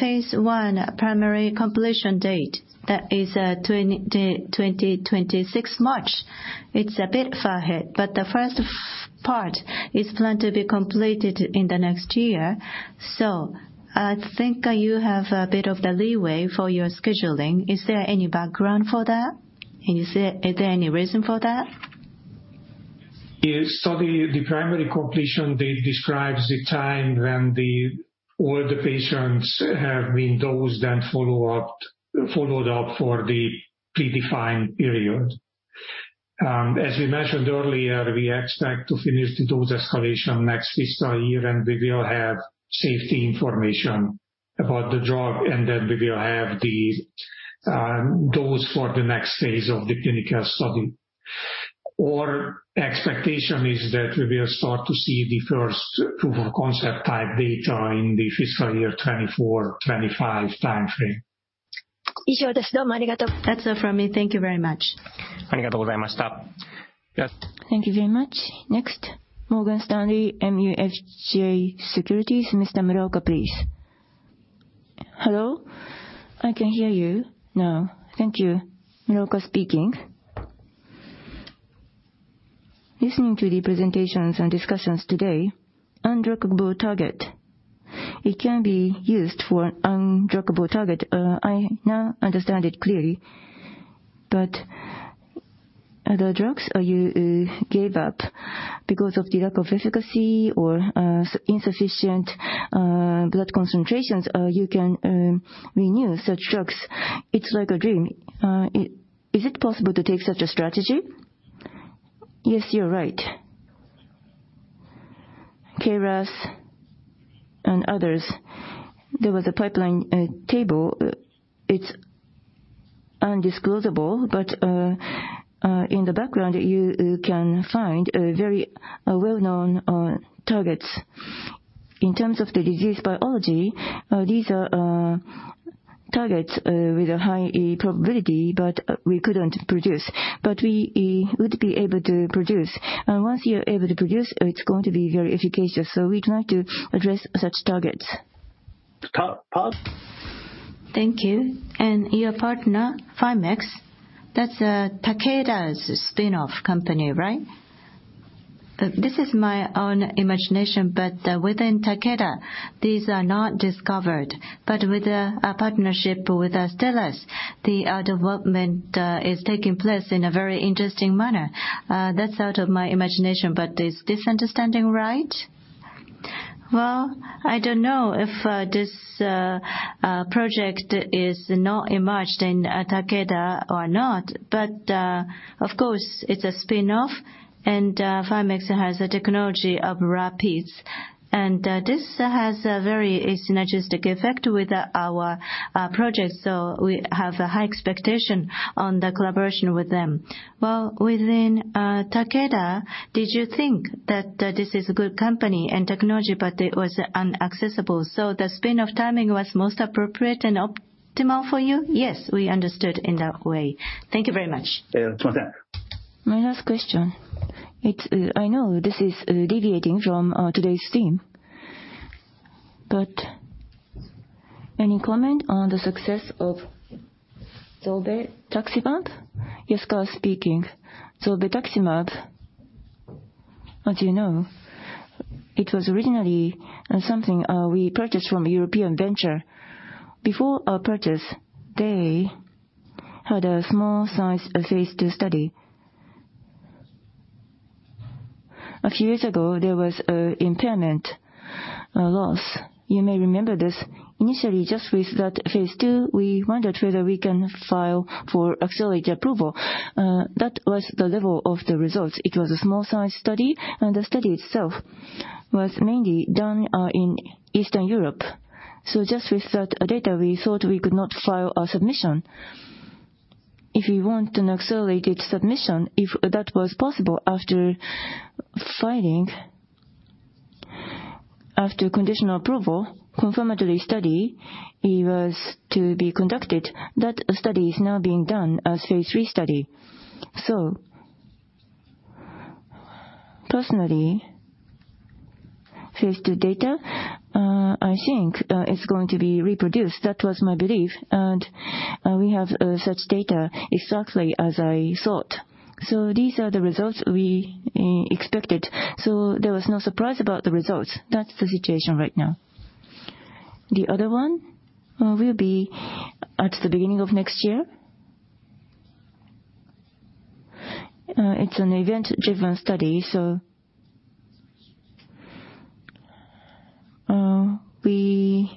Phase 1 primary completion date, that is 2026th March. It's a bit far ahead, but the first part is planned to be completed in the next year. I think you have a bit of the leeway for your scheduling. Is there any background for that? Is there any reason for that? The study, the primary completion date describes the time when the, all the patients have been dosed and followed up for the predefined period. As we mentioned earlier, we expect to finish the dose escalation next fiscal year, and we will have safety information about the drug and then we will have the dose for the next phase of the clinical study. Our expectation is that we will start to see the first proof-of-concept type data in the fiscal year 2024/2025 timeframe. That's all from me. Thank you very much. Yes. Thank you very much. Next, Morgan Stanley MUFG Securities, Mr. Muraoka, please. Hello, I can hear you now. Thank you. Muraoka speaking. Listening to the presentations and discussions today, undruggable target. It can be used for undruggable target. I now understand it clearly, but the drugs you gave up because of the lack of efficacy or insufficient blood concentrations, you can renew such drugs. It's like a dream. Is it possible to take such a strategy? Yes, you're right. KRAS and others, there was a pipeline table. It's undisclosable, but in the background, you can find very well-known targets. In terms of the disease biology, these are targets with a high probability, but we couldn't produce. We would be able to produce. Once you're able to produce, it's going to be very efficacious. We'd like to address such targets. Puse. Thank you. Your partner, FIMECS, that's Takeda's spin-off company, right? This is my own imagination, within Takeda, these are not discovered. With our partnership with Astellas, the development is taking place in a very interesting manner. That's out of my imagination, is this understanding right? Well, I don't know if this project is not emerged in Takeda or not, but of course, it's a spin-off and FIMECS has a technology of RaPPIDS. This has a very synergistic effect with our project. We have a high expectation on the collaboration with them. Well, within Takeda, did you think that this is a good company and technology, but it was inaccessible, so the spin-off timing was most appropriate and optimal for you? Yes, we understood in that way. Thank you very much. My last question. I know this is deviating from today's theme, any comment on the success of Sobi Rexulti? Yes, Kaori speaking. Sobi Rexulti, as you know, it was originally something we purchased from a European venture. Before our purchase, they had a small size phase 2 study. A few years ago, there was an impairment loss. You may remember this. Initially, just with that phase 2, we wondered whether we can file for accelerated approval. That was the level of the results. It was a small size study, the study itself was mainly done in Eastern Europe. Just with that data, we thought we could not file a submission. If we want an accelerated submission, if that was possible after filing, after conditional approval, confirmatory study was to be conducted. That study is now being done as phase 3 study. Personally, phase two data, I think, is going to be reproduced. That was my belief. We have such data exactly as I thought. These are the results we expected. There was no surprise about the results. That's the situation right now. The other one will be at the beginning of next year. It's an event-driven study. We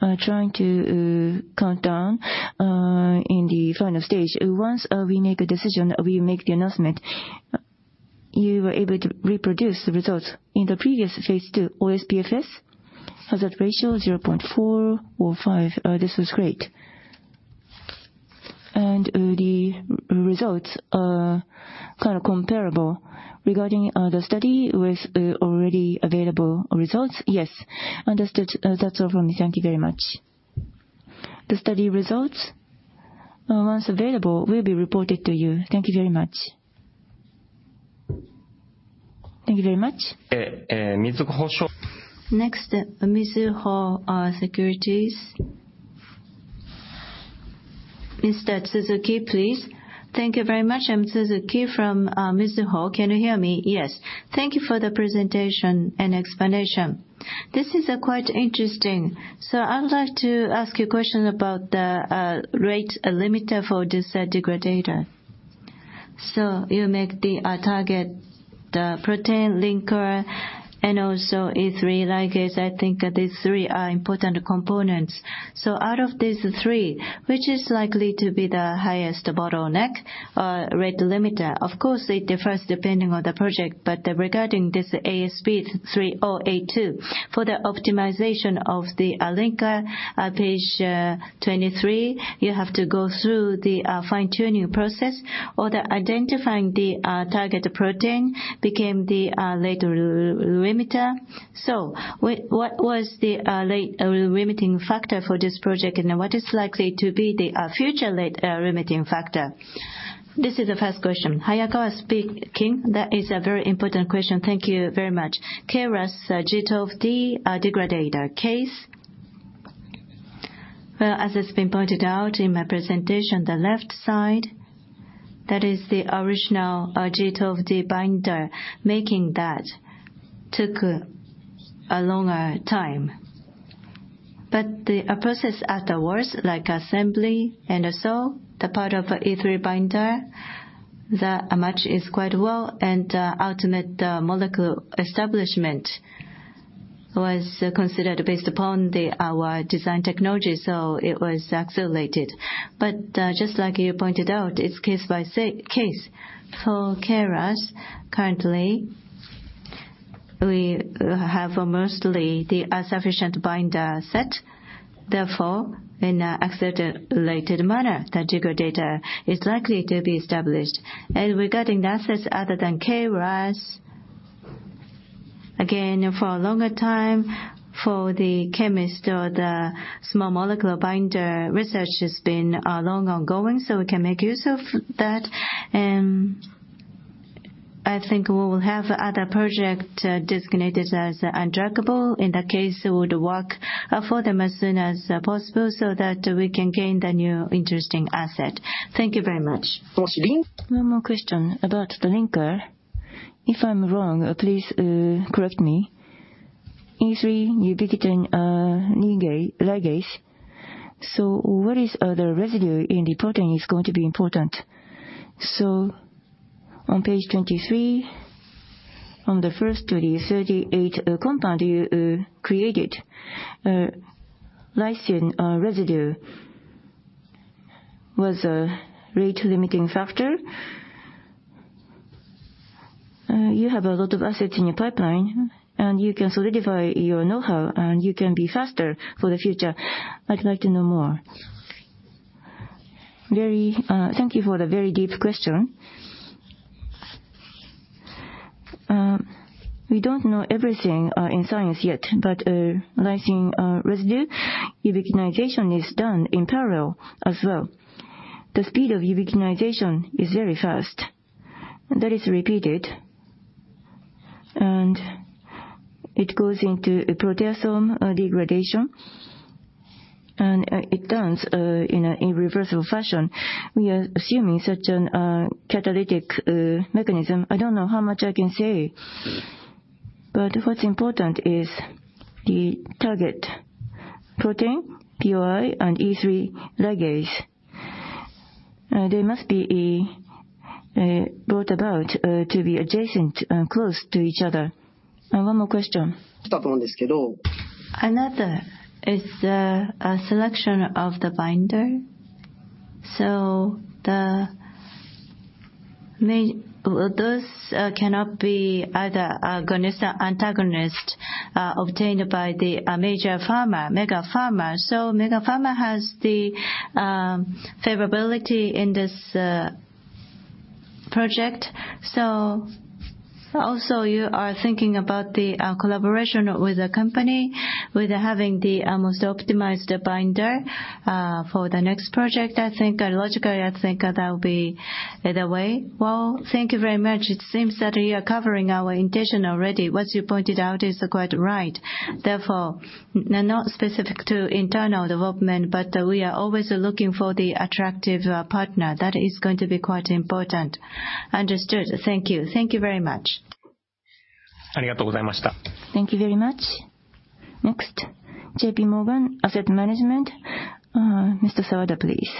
are trying to count down in the final stage. Once we make a decision, we make the announcement. You were able to reproduce the results in the previous phase two, OS, PFS, hazard ratio 0.45. This was great. The results are kind of comparable. Regarding the study with already available results, yes. Understood. That's all from me. Thank you very much. The study results, once available, will be reported to you. Thank you very much. Mizuho Securities. Next, Mizuho Securities. Mr. Tsuzuki, please. Thank you very much. I'm Tsuzuki from Mizuho Securities. Can you hear me? Yes. Thank you for the presentation and explanation. This is quite interesting. I would like to ask you a question about the rate limiter for this degrader. You make the target, the protein linker and also E3 ligase. I think these three are important components. Out of these three, which is likely to be the highest bottleneck rate limiter? Of course, it differs depending on the project. Regarding this ASP3082, for the optimization of the linker, page 23, you have to go through the fine-tuning process or the identifying the target protein became the rate limiter. What was the rate limiting factor for this project, and what is likely to be the future rate limiting factor? This is the first question. Hayakawa speaking. That is a very important question. Thank you very much. KRAS G12D degrader case. Well, as it's been pointed out in my presentation, the left side, that is the original G12D binder. Making that took a longer time. The process afterwards, like assembly and so, the part of E3 binder, that match is quite well. Ultimate molecule establishment was considered based upon the, our design technology, it was accelerated. Just like you pointed out, it's case by case. For KRAS, currently, we have mostly the insufficient binder set. Therefore, in an accelerated manner, the degrader is likely to be established. Regarding assets other than KRAS, again, for a longer time, for the chemist or the small molecule binder research has been long ongoing, we can make use of that. We will have other project designated as undruggable. In that case, it would work for them as soon as possible so that we can gain the new interesting asset. Thank you very much. One more question about the linker. If I'm wrong, please, correct me. E3 ubiquitin ligase. What is the residue in the protein is going to be important? On page 23, on the 1st to the 38, compound you created, lysine residue was a rate-limiting factor. You have a lot of assets in your pipeline, and you can solidify your know-how, and you can be faster for the future. I'd like to know more. Very, thank you for the very deep question. We don't know everything in science yet, but lysine residue ubiquitination is done in parallel as well. The speed of ubiquitination is very fast. That is repeated, and it goes into a proteasome degradation, and it turns in an irreversible fashion. We are assuming such a catalytic mechanism. I don't know how much I can say, but what's important is the target protein, POI and E3 ligase. They must be brought about to be adjacent, close to each other. 1 more question. Another is the selection of the binder. Those cannot be either a agonist or antagonist obtained by the major pharma, mega pharma. Mega pharma has the favorability in this project. Also you are thinking about the collaboration with the company with having the most optimized binder for the next project. Logically, that will be the way. Thank you very much. It seems that you are covering our intention already. What you pointed out is quite right. Therefore, not specific to internal development, but we are always looking for the attractive partner. That is going to be quite important. Understood. Thank you. Thank you very much. Thank you very much. Next, J.P. Morgan Asset Management. Mr. Sawada, please.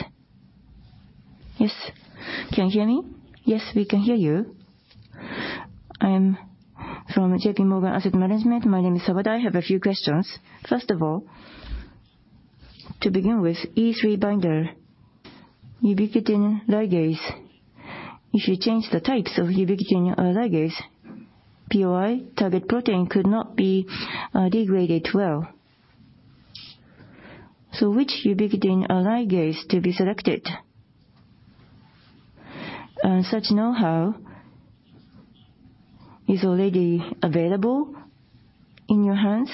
Yes. Can you hear me? Yes, we can hear you. I am from J.P. Morgan Asset Management. My name is Sawada. I have a few questions. First of all, to begin with E3 binder ubiquitin ligase. If you change the types of ubiquitin ligase, POI target protein could not be degraded well. Which ubiquitin ligase to be selected? Such know-how is already available in your hands?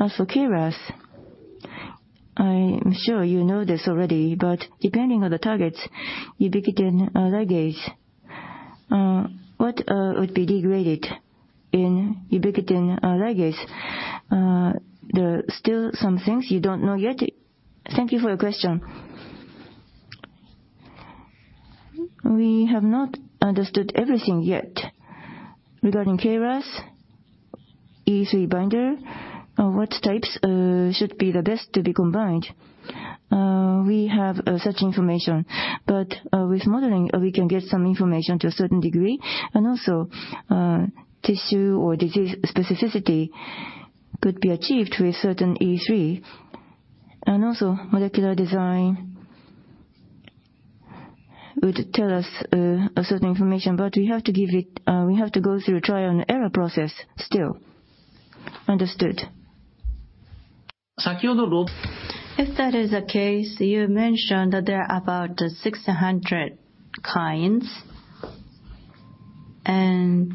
As for KRAS, I am sure you know this already, but depending on the targets, ubiquitin ligase, what would be degraded in ubiquitin ligase? There are still some things you don't know yet? Thank you for your question. We have not understood everything yet. Regarding KRAS E3 binder, what types should be the best to be combined? We have such information. With modeling, we can get some information to a certain degree, and also, tissue or disease specificity could be achieved with certain E3. Molecular design would tell us a certain information. We have to go through a trial-and-error process still. Understood. If that is the case, you mentioned that there are about 600 clients. They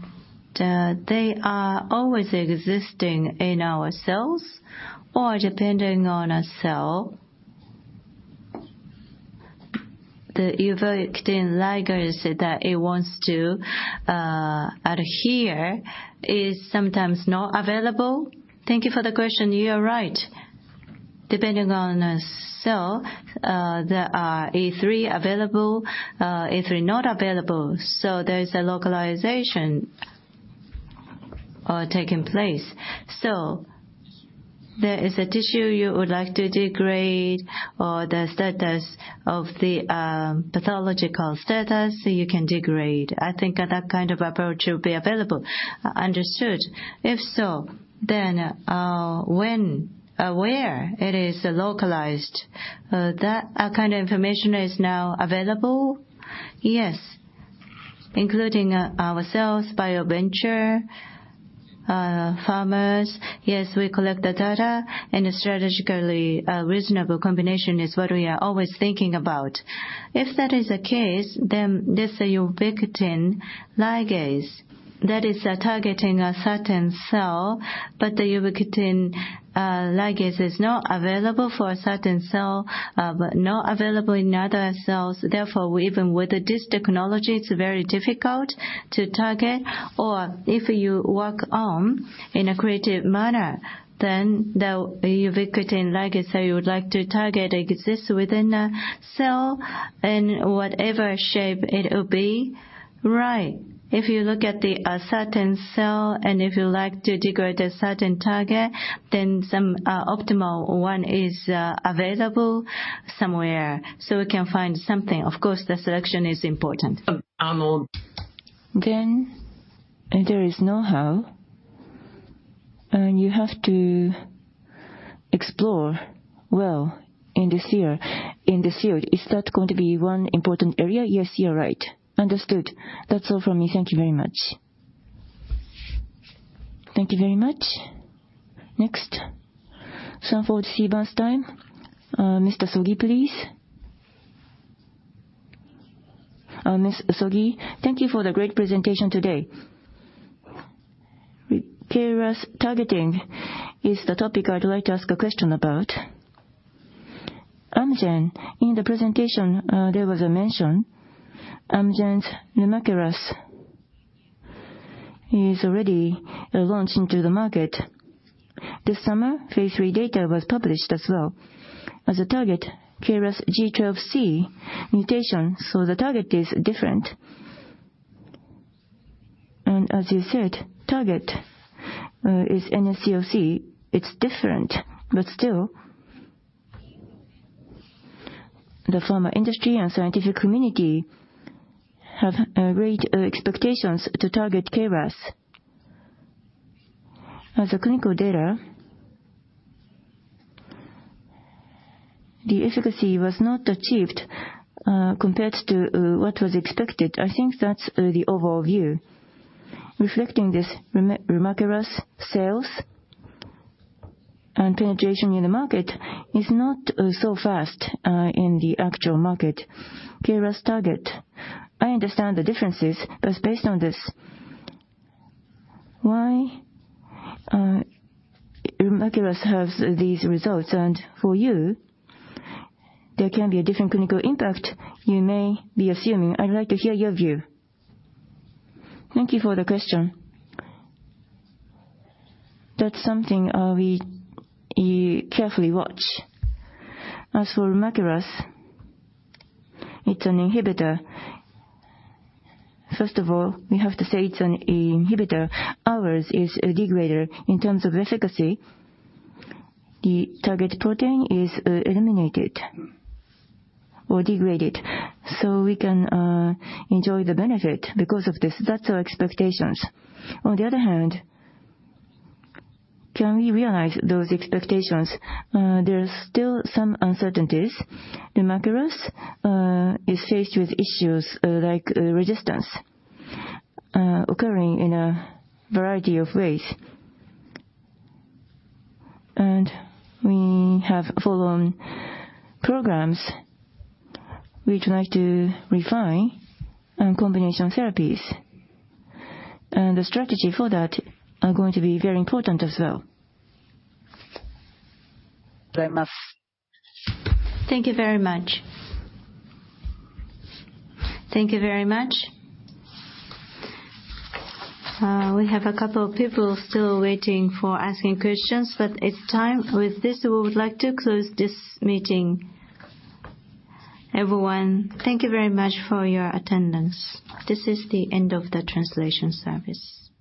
are always existing in our cells or depending on a cell. The ubiquitin ligase that it wants to adhere is sometimes not available. Thank you for the question. You are right. Depending on a cell, there are E3 available, E3 not available, so there is a localization taking place. There is a tissue you would like to degrade or the status of the pathological status you can degrade. I think that kind of approach will be available. Understood. When or where it is localized, that kind of information is now available? Yes. Including ourselves, bio venture, pharmas. Yes, we collect the data and strategically a reasonable combination is what we are always thinking about. If that is the case, this ubiquitin ligase that is targeting a certain cell, but the ubiquitin ligase is not available for a certain cell, but not available in other cells. Therefore, even with this technology, it's very difficult to target. If you work on in a creative manner, then the ubiquitin ligase that you would like to target exists within a cell in whatever shape it will be. Right. If you look at the, a certain cell and if you like to degrade a certain target, then some optimal one is available somewhere, so we can find something. Of course, the selection is important. Arnold. There is know-how and you have to explore well in this year, in this field. Is that going to be one important area? Yes, you're right. Understood. That's all from me. Thank you very much. Thank you very much. Next, Sanford C. Bernstein. Mr. Sogi, please. Ms. Sogi, thank you for the great presentation today. KRAS targeting is the topic I'd like to ask a question about. Amgen, in the presentation, there was a mention, Amgen's LUMAKRAS is already launched into the market. This summer, Phase 3 data was published as well. As a target, KRAS G12C mutation, so the target is different. As you said, target is NSCLC. It's different, but still the pharma industry and scientific community have great expectations to target KRAS. As a clinical data the efficacy was not achieved compared to what was expected. I think that's the overview. Reflecting this, LUMAKRAS sales and penetration in the market is not so fast in the actual market. KRAS target, I understand the differences, but based on this, why, LUMAKRAS has these results and for you, there can be a different clinical impact you may be assuming. I'd like to hear your view. Thank you for the question. That's something we carefully watch. As for LUMAKRAS, it's an inhibitor. First of all, we have to say it's an inhibitor. Ours is a degrader. In terms of efficacy, the target protein is eliminated or degraded, we can enjoy the benefit because of this. That's our expectations. On the other hand, can we realize those expectations? There are still some uncertainties. LUMAKRAS is faced with issues like resistance occurring in a variety of ways. We have full-on programs we'd like to refine and combination therapies. The strategy for that are going to be very important as well. Thank you very much. Thank you very much. We have a couple of people still waiting for asking questions. It's time. With this, we would like to close this meeting. Everyone, thank you very much for your attendance. This is the end of the translation service.